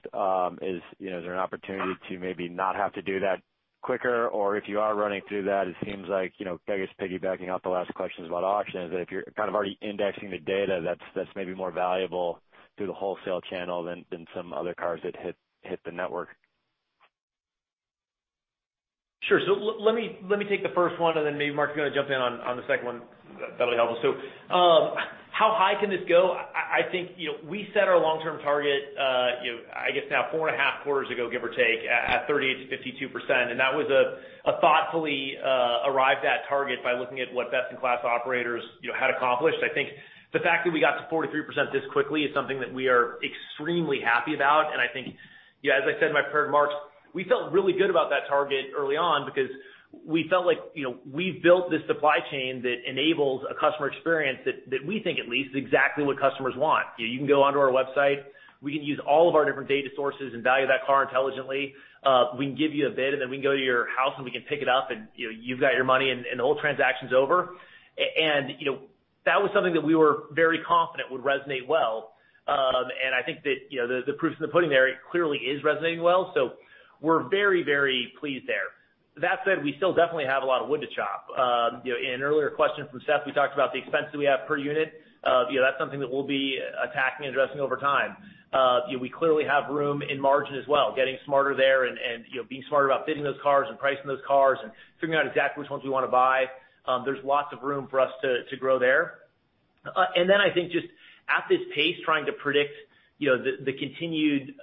L: Is there an opportunity to maybe not have to do that quicker? If you are running through that, it seems like, I guess piggybacking off the last questions about auctions, that if you're already indexing the data, that's maybe more valuable through the wholesale channel than some other cars that hit the network.
C: Sure. Let me take the first one, and then maybe Mark's going to jump in on the second one. That'll be helpful. How high can this go? I think we set our long-term target, I guess now four and a half quarters ago, give or take, at 30%-52%, and that was a thoughtfully arrived at target by looking at what best-in-class operators had accomplished. I think the fact that we got to 43% this quickly is something that we are extremely happy about, and I think, as I said in my prepared remarks, we felt really good about that target early on because we felt like we've built this supply chain that enables a customer experience that we think at least is exactly what customers want. You can go onto our website, we can use all of our different data sources and value that car intelligently. We can give you a bid, then we can go to your house and we can pick it up and you've got your money and the whole transaction's over. That was something that we were very confident would resonate well. I think that the proof's in the pudding there. It clearly is resonating well, so we're very pleased there. That said, we still definitely have a lot of wood to chop. In an earlier question from Seth, we talked about the expense that we have per unit. That's something that we'll be attacking and addressing over time. We clearly have room in margin as well, getting smarter there and being smarter about bidding those cars and pricing those cars and figuring out exactly which ones we want to buy. There's lots of room for us to grow there. I think just at this pace, trying to predict the continued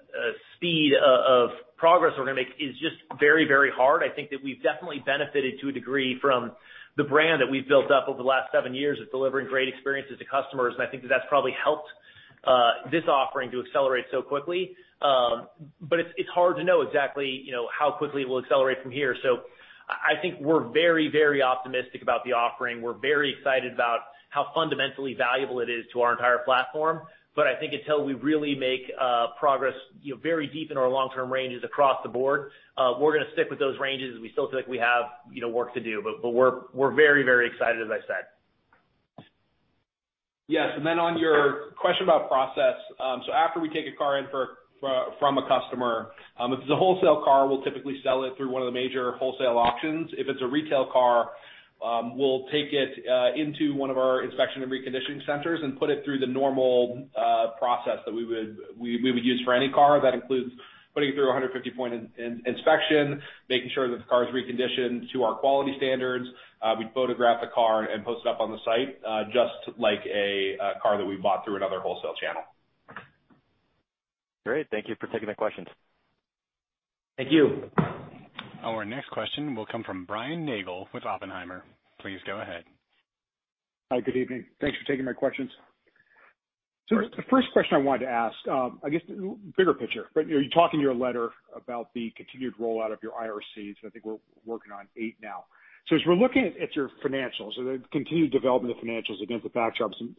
C: speed of progress we're going to make is just very hard. I think that we've definitely benefited to a degree from the brand that we've built up over the last seven years of delivering great experiences to customers, and I think that's probably helped this offering to accelerate so quickly. It's hard to know exactly how quickly it will accelerate from here. I think we're very optimistic about the offering. We're very excited about how fundamentally valuable it is to our entire platform. I think until we really make progress very deep in our long-term ranges across the board, we're going to stick with those ranges as we still feel like we have work to do. We're very excited, as I said.
D: Yes. Then on your question about process, so after we take a car in from a customer, if it's a wholesale car, we'll typically sell it through one of the major wholesale auctions. If it's a retail car, we'll take it into one of our inspection and reconditioning centers and put it through the normal process that we would use for any car. That includes putting it through 150-point inspection, making sure that the car is reconditioned to our quality standards. We'd photograph the car and post it up on the site, just like a car that we bought through another wholesale channel.
L: Great. Thank you for taking the questions.
C: Thank you.
A: Our next question will come from Brian Nagel with Oppenheimer. Please go ahead.
M: Hi. Good evening. Thanks for taking my questions.
C: Of course.
M: The first question I wanted to ask, I guess bigger picture, but you talk in your letter about the continued rollout of your IRCs, and I think we're working on eight now. As we're looking at your financials and the continued development of financials against the backdrop of some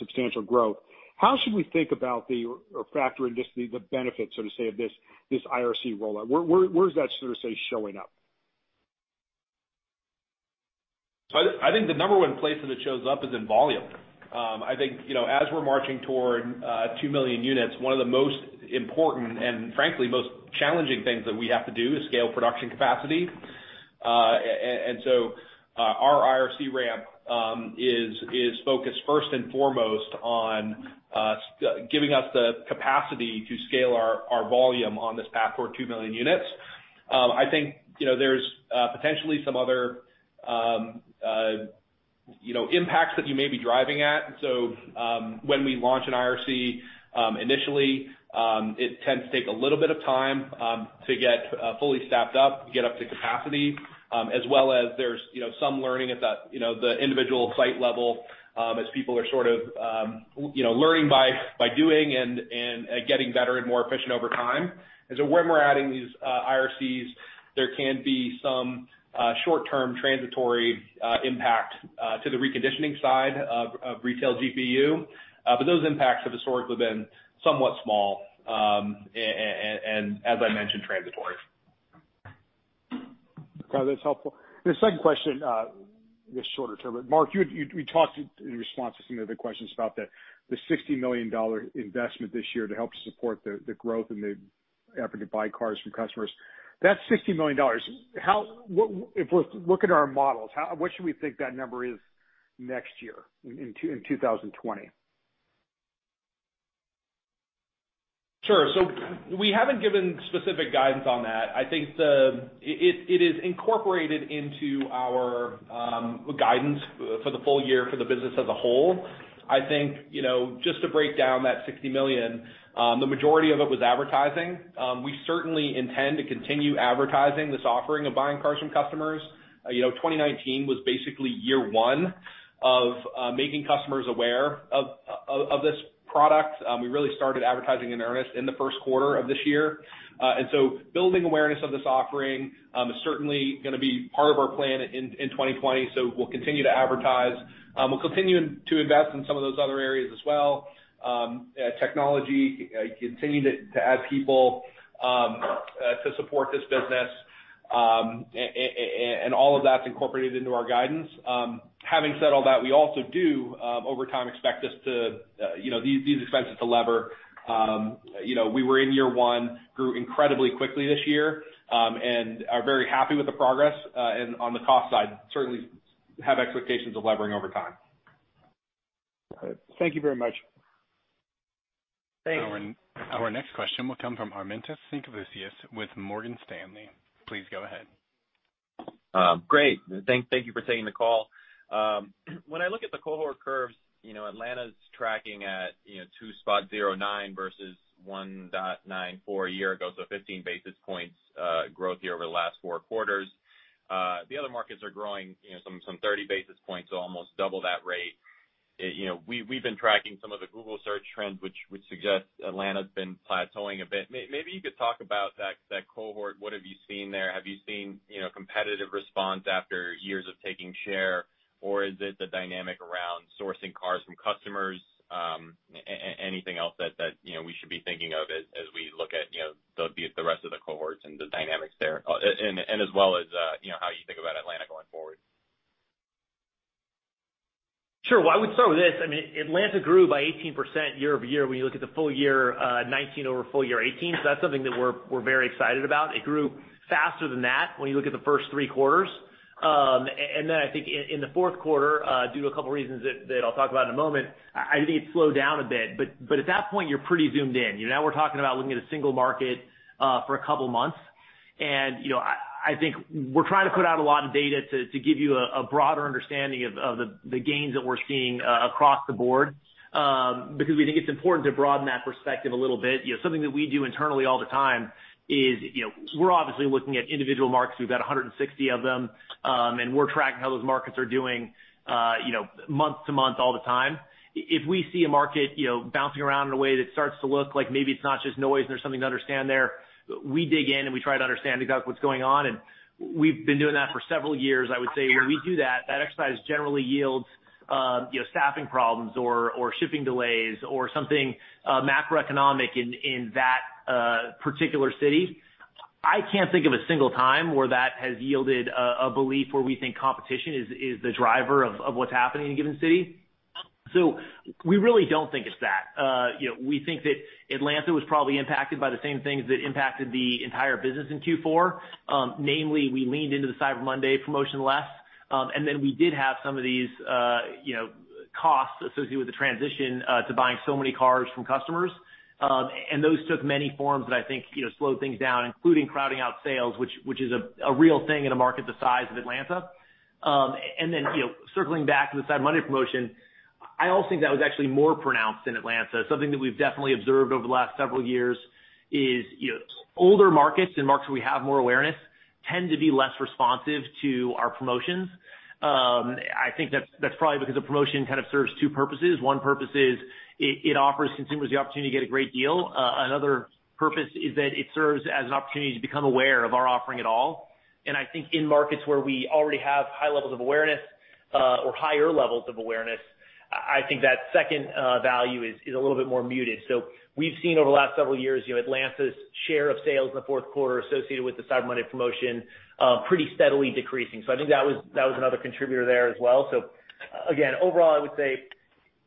M: substantial growth, how should we think about the, or factor in just the benefits, so to say, of this IRC rollout? Where is that, so to say, showing up?
D: I think the number one place that it shows up is in volume. I think as we're marching toward 2 million units, one of the most important, and frankly, most challenging things that we have to do is scale production capacity. Our IRC ramp is focused first and foremost on giving us the capacity to scale our volume on this path toward 2 million units. I think there's potentially some other impacts that you may be driving at. When we launch an IRC initially, it tends to take a little bit of time to get fully staffed up, get up to capacity, as well as there's some learning at the individual site level as people are sort of learning by doing and getting better and more efficient over time. When we're adding these IRCs, there can be some short-term transitory impact to the reconditioning side of retail GPU. Those impacts have historically been somewhat small, and as I mentioned, transitory.
M: That's helpful. The second question, just shorter term. Mark, you talked in response to some of the questions about the $60 million investment this year to help support the growth in the effort to buy cars from customers. That's $60 million. If we look at our models, what should we think that number is next year in 2020?
D: Sure. We haven't given specific guidance on that. I think it is incorporated into our guidance for the full year for the business as a whole. I think, just to break down that $60 million, the majority of it was advertising. We certainly intend to continue advertising this offering of buying cars from customers. 2019 was basically year one of making customers aware of this product. We really started advertising in earnest in the first quarter of this year. Building awareness of this offering is certainly going to be part of our plan in 2020. We'll continue to advertise. We'll continue to invest in some of those other areas as well. Technology, continuing to add people to support this business, and all of that's incorporated into our guidance. Having said all that, we also do over time expect these expenses to lever. We were in year one, grew incredibly quickly this year, and are very happy with the progress. On the cost side, certainly have expectations of levering over time.
M: All right. Thank you very much.
D: Thanks.
A: Our next question will come from Armintas Sinkevicius with Morgan Stanley. Please go ahead.
N: Great. Thank you for taking the call. When I look at the cohort curves, Atlanta's tracking at 2.09 versus 1.94 a year ago, so 15 basis points growth year over the last four quarters. The other markets are growing some 30 basis points, so almost double that rate. We've been tracking some of the Google Search trends which suggest Atlanta's been plateauing a bit. Maybe you could talk about that cohort? What have you seen there? Have you seen competitive response after years of taking share, or is it the dynamic around sourcing cars from customers? Anything else that we should be thinking of as we look at the rest of the cohorts and the dynamics there, and as well as how you think about Atlanta going forward?
C: I would start with this. Atlanta grew by 18% year-over-year when you look at the full year 2019 over full year 2018. That's something that we're very excited about. It grew faster than that when you look at the first three quarters. Then I think in the fourth quarter, due to a couple of reasons that I'll talk about in a moment, I think it slowed down a bit. At that point, you're pretty zoomed in. We're talking about looking at a single market for a couple of months. I think we're trying to put out a lot of data to give you a broader understanding of the gains that we're seeing across the board, because we think it's important to broaden that perspective a little bit. Something that we do internally all the time is we're obviously looking at individual markets. We've got 160 of them, and we're tracking how those markets are doing month to month all the time. If we see a market bouncing around in a way that starts to look like maybe it's not just noise and there's something to understand there, we dig in, and we try to understand exactly what's going on. We've been doing that for several years, I would say. When we do that exercise generally yields staffing problems or shipping delays or something macroeconomic in that particular city. I can't think of a single time where that has yielded a belief where we think competition is the driver of what's happening in a given city. We really don't think it's that. We think that Atlanta was probably impacted by the same things that impacted the entire business in Q4. Namely, we leaned into the Cyber Monday promotion less. Then we did have some of these costs associated with the transition to buying so many cars from customers. Those took many forms that I think slowed things down, including crowding out sales, which is a real thing in a market the size of Atlanta. Then circling back to the Cyber Monday promotion, I also think that was actually more pronounced in Atlanta. Something that we've definitely observed over the last several years is older markets and markets where we have more awareness tend to be less responsive to our promotions. I think that's probably because the promotion kind of serves two purposes. One purpose is it offers consumers the opportunity to get a great deal. Another purpose is that it serves as an opportunity to become aware of our offering at all. I think in markets where we already have high levels of awareness or higher levels of awareness, I think that second value is a little bit more muted. We've seen over the last several years, Atlanta's share of sales in the fourth quarter associated with the Cyber Monday promotion pretty steadily decreasing. I think that was another contributor there as well. Again, overall, I would say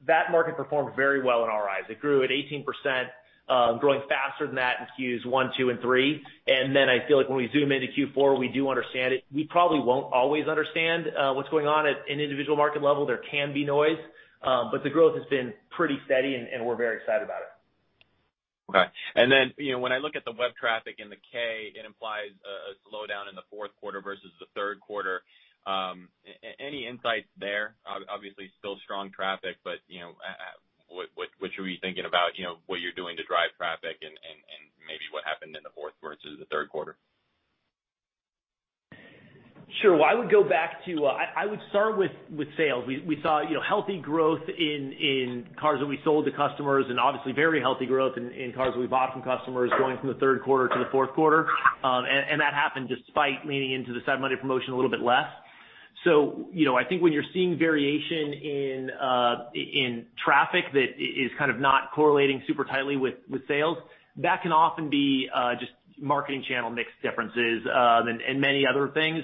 C: that market performed very well in our eyes. It grew at 18%, growing faster than that in Qs one, two, and three. I feel like when we zoom into Q4, we do understand it. We probably won't always understand what's going on at an individual market level. There can be noise. The growth has been pretty steady, and we're very excited about it.
N: Okay. When I look at the web traffic in the K, it implies a slowdown in the fourth quarter versus the third quarter. Any insights there? Obviously, still strong traffic, but what should we be thinking about what you're doing to drive traffic and maybe what happened in the fourth versus the third quarter?
C: Sure. Well, I would start with sales. We saw healthy growth in cars that we sold to customers and obviously very healthy growth in cars that we bought from customers going from the third quarter to the fourth quarter. That happened despite leaning into the Cyber Monday promotion a little bit less. I think when you're seeing variation in traffic that is kind of not correlating super tightly with sales, that can often be just marketing channel mix differences and many other things.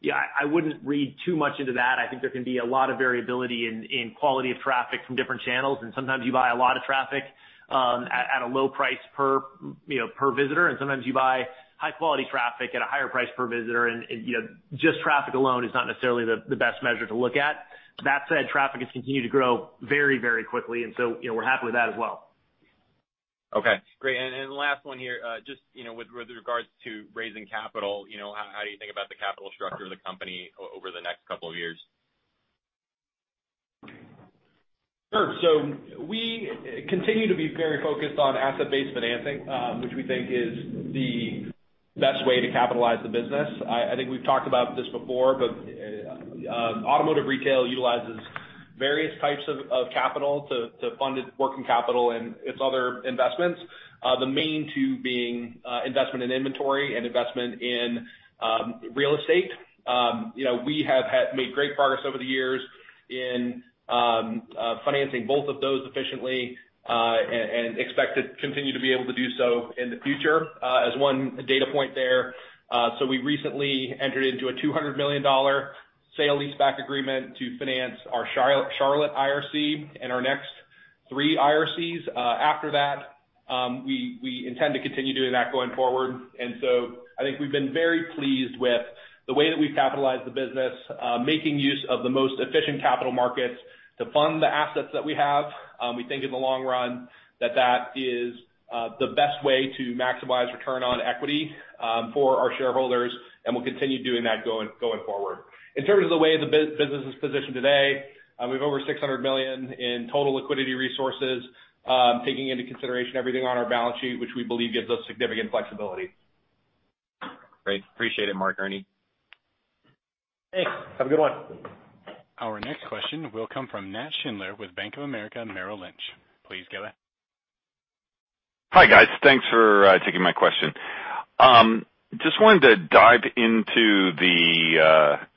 C: Yeah, I wouldn't read too much into that. I think there can be a lot of variability in quality of traffic from different channels, and sometimes you buy a lot of traffic at a low price per visitor, and sometimes you buy high-quality traffic at a higher price per visitor. Just traffic alone is not necessarily the best measure to look at. That said, traffic has continued to grow very quickly and so we're happy with that as well.
N: Okay, great. The last one here, just with regards to raising capital, how do you think about the capital structure of the company over the next couple of years?
D: We continue to be very focused on asset-based financing, which we think is the best way to capitalize the business. I think we've talked about this before, automotive retail utilizes various types of capital to fund its working capital and its other investments. The main two being investment in inventory and investment in real estate. We have made great progress over the years in financing both of those efficiently, expect to continue to be able to do so in the future. As one data point there, we recently entered into a $200 million sale leaseback agreement to finance our Charlotte IRC and our next three IRCs. After that, we intend to continue doing that going forward. I think we've been very pleased with the way that we've capitalized the business. Making use of the most efficient capital markets to fund the assets that we have. We think in the long run that that is the best way to maximize return on equity for our shareholders. We'll continue doing that going forward. In terms of the way the business is positioned today, we have over $600 million in total liquidity resources, taking into consideration everything on our balance sheet, which we believe gives us significant flexibility.
N: Great. Appreciate it, Mark, Ernie.
C: Thanks. Have a good one.
A: Our next question will come from Nat Schindler with Bank of America Merrill Lynch. Please go ahead.
O: Hi, guys. Thanks for taking my question. Just wanted to dive into the retail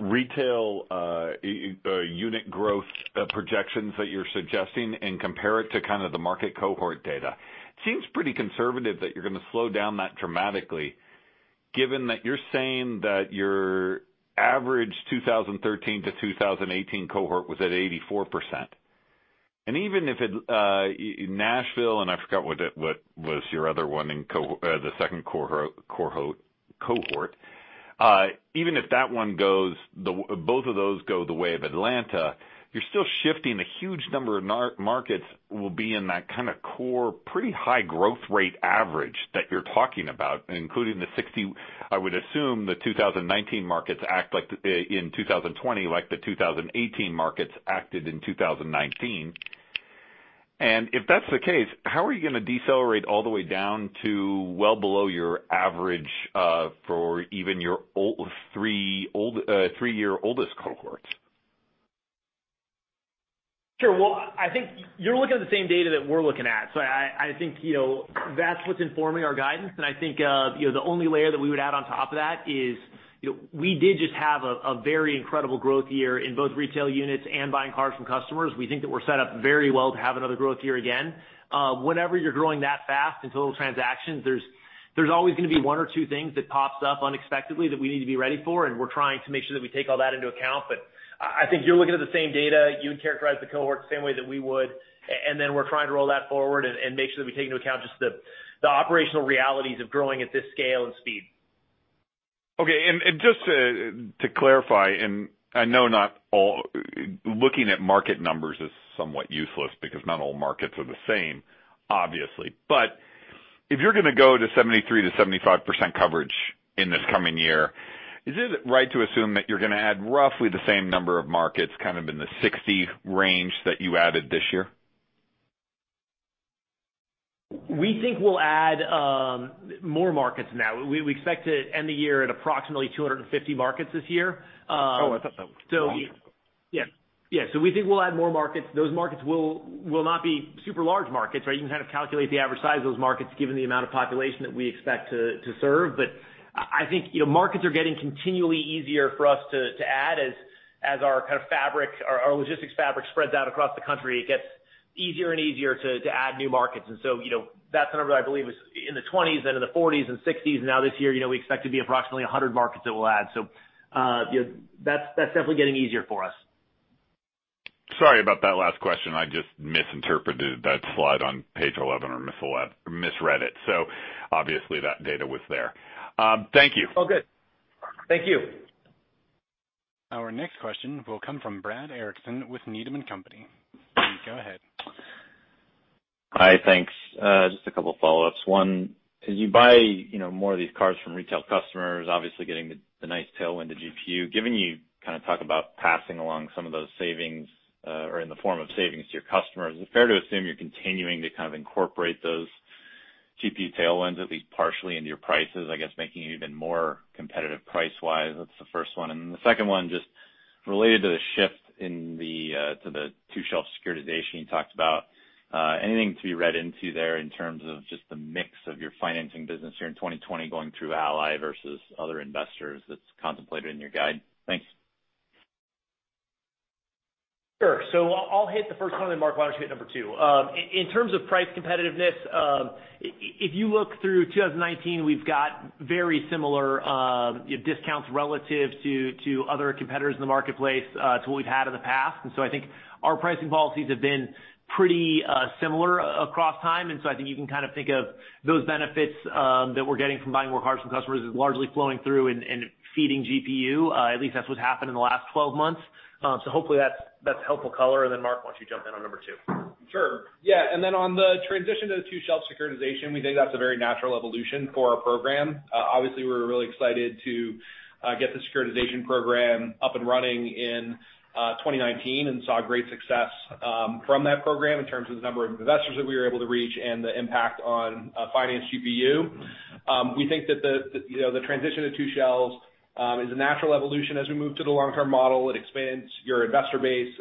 O: unit growth projections that you're suggesting and compare it to kind of the market cohort data. Seems pretty conservative that you're going to slow down that dramatically, given that you're saying that your average 2013-2018 cohort was at 84%. Even if it, Nashville, and I forgot what was your other one in the second cohort. Even if both of those go the way of Atlanta, you're still shifting a huge number of markets will be in that kind of core, pretty high growth rate average that you're talking about, including, I would assume, the 2019 markets act in 2020 like the 2018 markets acted in 2019. If that's the case, how are you going to decelerate all the way down to well below your average for even your three-year oldest cohort?
C: Sure. Well, I think you're looking at the same data that we're looking at, so I think that's what's informing our guidance. I think the only layer that we would add on top of that is we did just have a very incredible growth year in both retail units and buying cars from customers. We think that we're set up very well to have another growth year again. Whenever you're growing that fast in total transactions, there's always going to be one or two things that pops up unexpectedly that we need to be ready for, and we're trying to make sure that we take all that into account. I think you're looking at the same data. You would characterize the cohort the same way that we would, and then we're trying to roll that forward and make sure that we take into account just the operational realities of growing at this scale and speed.
O: Okay. Just to clarify, and I know looking at market numbers is somewhat useless because not all markets are the same, obviously. If you're going to go to 73%-75% coverage in this coming year, is it right to assume that you're going to add roughly the same number of markets, kind of in the 60 range that you added this year?
C: We think we'll add more markets now. We expect to end the year at approximately 250 markets this year.
O: Oh, I thought that was wrong.
C: Yeah. We think we'll add more markets. Those markets will not be super large markets. You can kind of calculate the average size of those markets given the amount of population that we expect to serve. I think markets are getting continually easier for us to add as our logistics fabric spreads out across the country. It gets easier and easier to add new markets. That's a number that I believe is in the 20s, then in the 40s and 60s. This year, we expect to be approximately 100 markets that we'll add. That's definitely getting easier for us.
O: Sorry about that last question. I just misinterpreted that slide on page 11 or misread it. Obviously, that data was there. Thank you.
C: All good. Thank you.
A: Our next question will come from Brad Erickson with Needham & Company. Go ahead.
P: Hi, thanks. Just a couple follow-ups. One, as you buy more of these cars from retail customers, obviously getting the nice tailwind to GPU. Given you kind of talk about passing along some of those savings or in the form of savings to your customers, is it fair to assume you're continuing to kind of incorporate those GPU tailwinds, at least partially into your prices, I guess making you even more competitive price-wise? That's the first one. Related to the shift to the two-shelf securitization you talked about, anything to be read into there in terms of just the mix of your financing business here in 2020 going through Ally versus other investors that's contemplated in your guide? Thanks.
C: Sure. I'll hit the first one, Mark why don't you hit number two. In terms of price competitiveness, if you look through 2019, we've got very similar discounts relative to other competitors in the marketplace to what we've had in the past. I think our pricing policies have been pretty similar across time, and so I think you can think of those benefits that we're getting from buying more cars from customers as largely flowing through and feeding GPU. At least that's what's happened in the last 12 months. Hopefully that's helpful color. Mark, why don't you jump in on number two.
D: Sure. Yeah. On the transition to the two-shelf securitization, we think that's a very natural evolution for our program. Obviously, we were really excited to get the securitization program up and running in 2019 and saw great success from that program in terms of the number of investors that we were able to reach and the impact on finance GPU. We think that the transition to two shelves is a natural evolution as we move to the long-term model. It expands your investor base.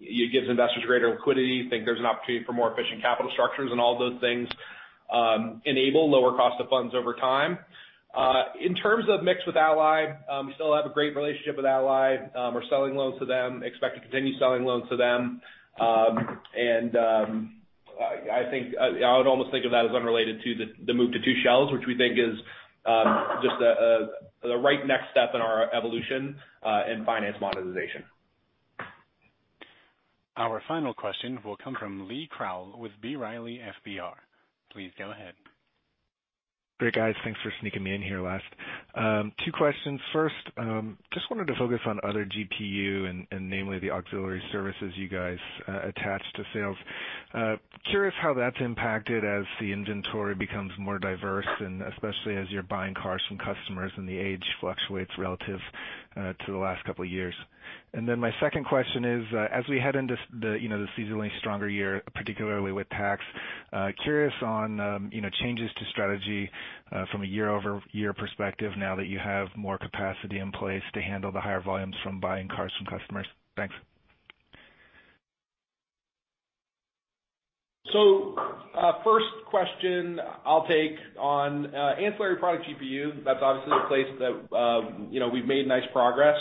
D: It gives investors greater liquidity. I think there's an opportunity for more efficient capital structures, all of those things enable lower cost of funds over time. In terms of mix with Ally, we still have a great relationship with Ally. We're selling loans to them, expect to continue selling loans to them. I would almost think of that as unrelated to the move to two shelves, which we think is just the right next step in our evolution in finance monetization.
A: Our final question will come from Lee Krowl with B. Riley FBR. Please go ahead.
Q: Great, guys. Thanks for sneaking me in here last. Two questions. First, just wanted to focus on other GPU and namely the auxiliary services you guys attach to sales. Curious how that's impacted as the inventory becomes more diverse, and especially as you're buying cars from customers and the age fluctuates relative to the last couple of years. My second question is, as we head into the seasonally stronger year, particularly with tax, curious on changes to strategy from a year-over-year perspective now that you have more capacity in place to handle the higher volumes from buying cars from customers. Thanks.
D: First question I'll take on ancillary product GPU. That's obviously a place that we've made nice progress.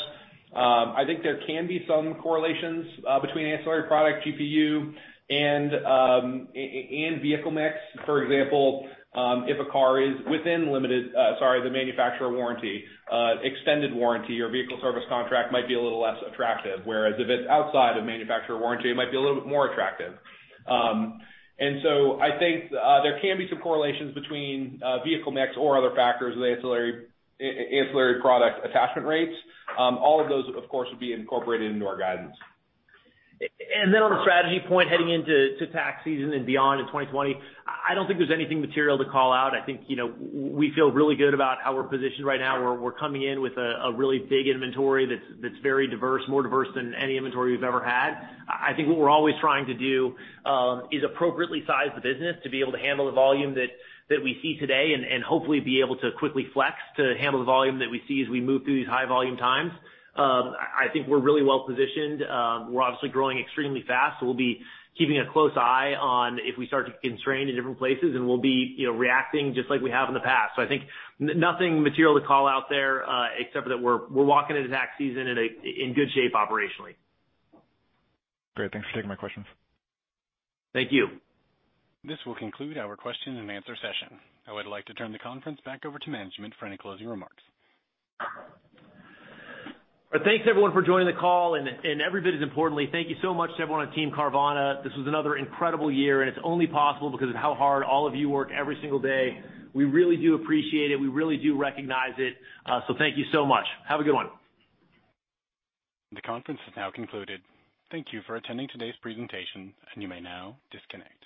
D: I think there can be some correlations between ancillary product GPU and vehicle mix. For example, if a car is within the manufacturer warranty, extended warranty or vehicle service contract might be a little less attractive, whereas if it's outside of manufacturer warranty, it might be a little bit more attractive. I think there can be some correlations between vehicle mix or other factors with ancillary product attachment rates. All of those, of course, would be incorporated into our guidance.
C: Then on the strategy point, heading into tax season and beyond in 2020, I don't think there's anything material to call out. I think we feel really good about how we're positioned right now, where we're coming in with a really big inventory that's very diverse, more diverse than any inventory we've ever had. I think what we're always trying to do is appropriately size the business to be able to handle the volume that we see today and hopefully be able to quickly flex to handle the volume that we see as we move through these high-volume times. I think we're really well-positioned. We're obviously growing extremely fast, so we'll be keeping a close eye on if we start to constrain in different places, and we'll be reacting just like we have in the past. I think nothing material to call out there except that we're walking into tax season in good shape operationally.
Q: Great. Thanks for taking my questions.
C: Thank you.
A: This will conclude our question and answer session. I would like to turn the conference back over to management for any closing remarks.
C: Thanks everyone for joining the call, and every bit as importantly, thank you so much to everyone on Team Carvana. This was another incredible year, and it's only possible because of how hard all of you work every single day. We really do appreciate it. We really do recognize it. Thank you so much. Have a good one.
A: The conference is now concluded. Thank you for attending today's presentation. You may now disconnect.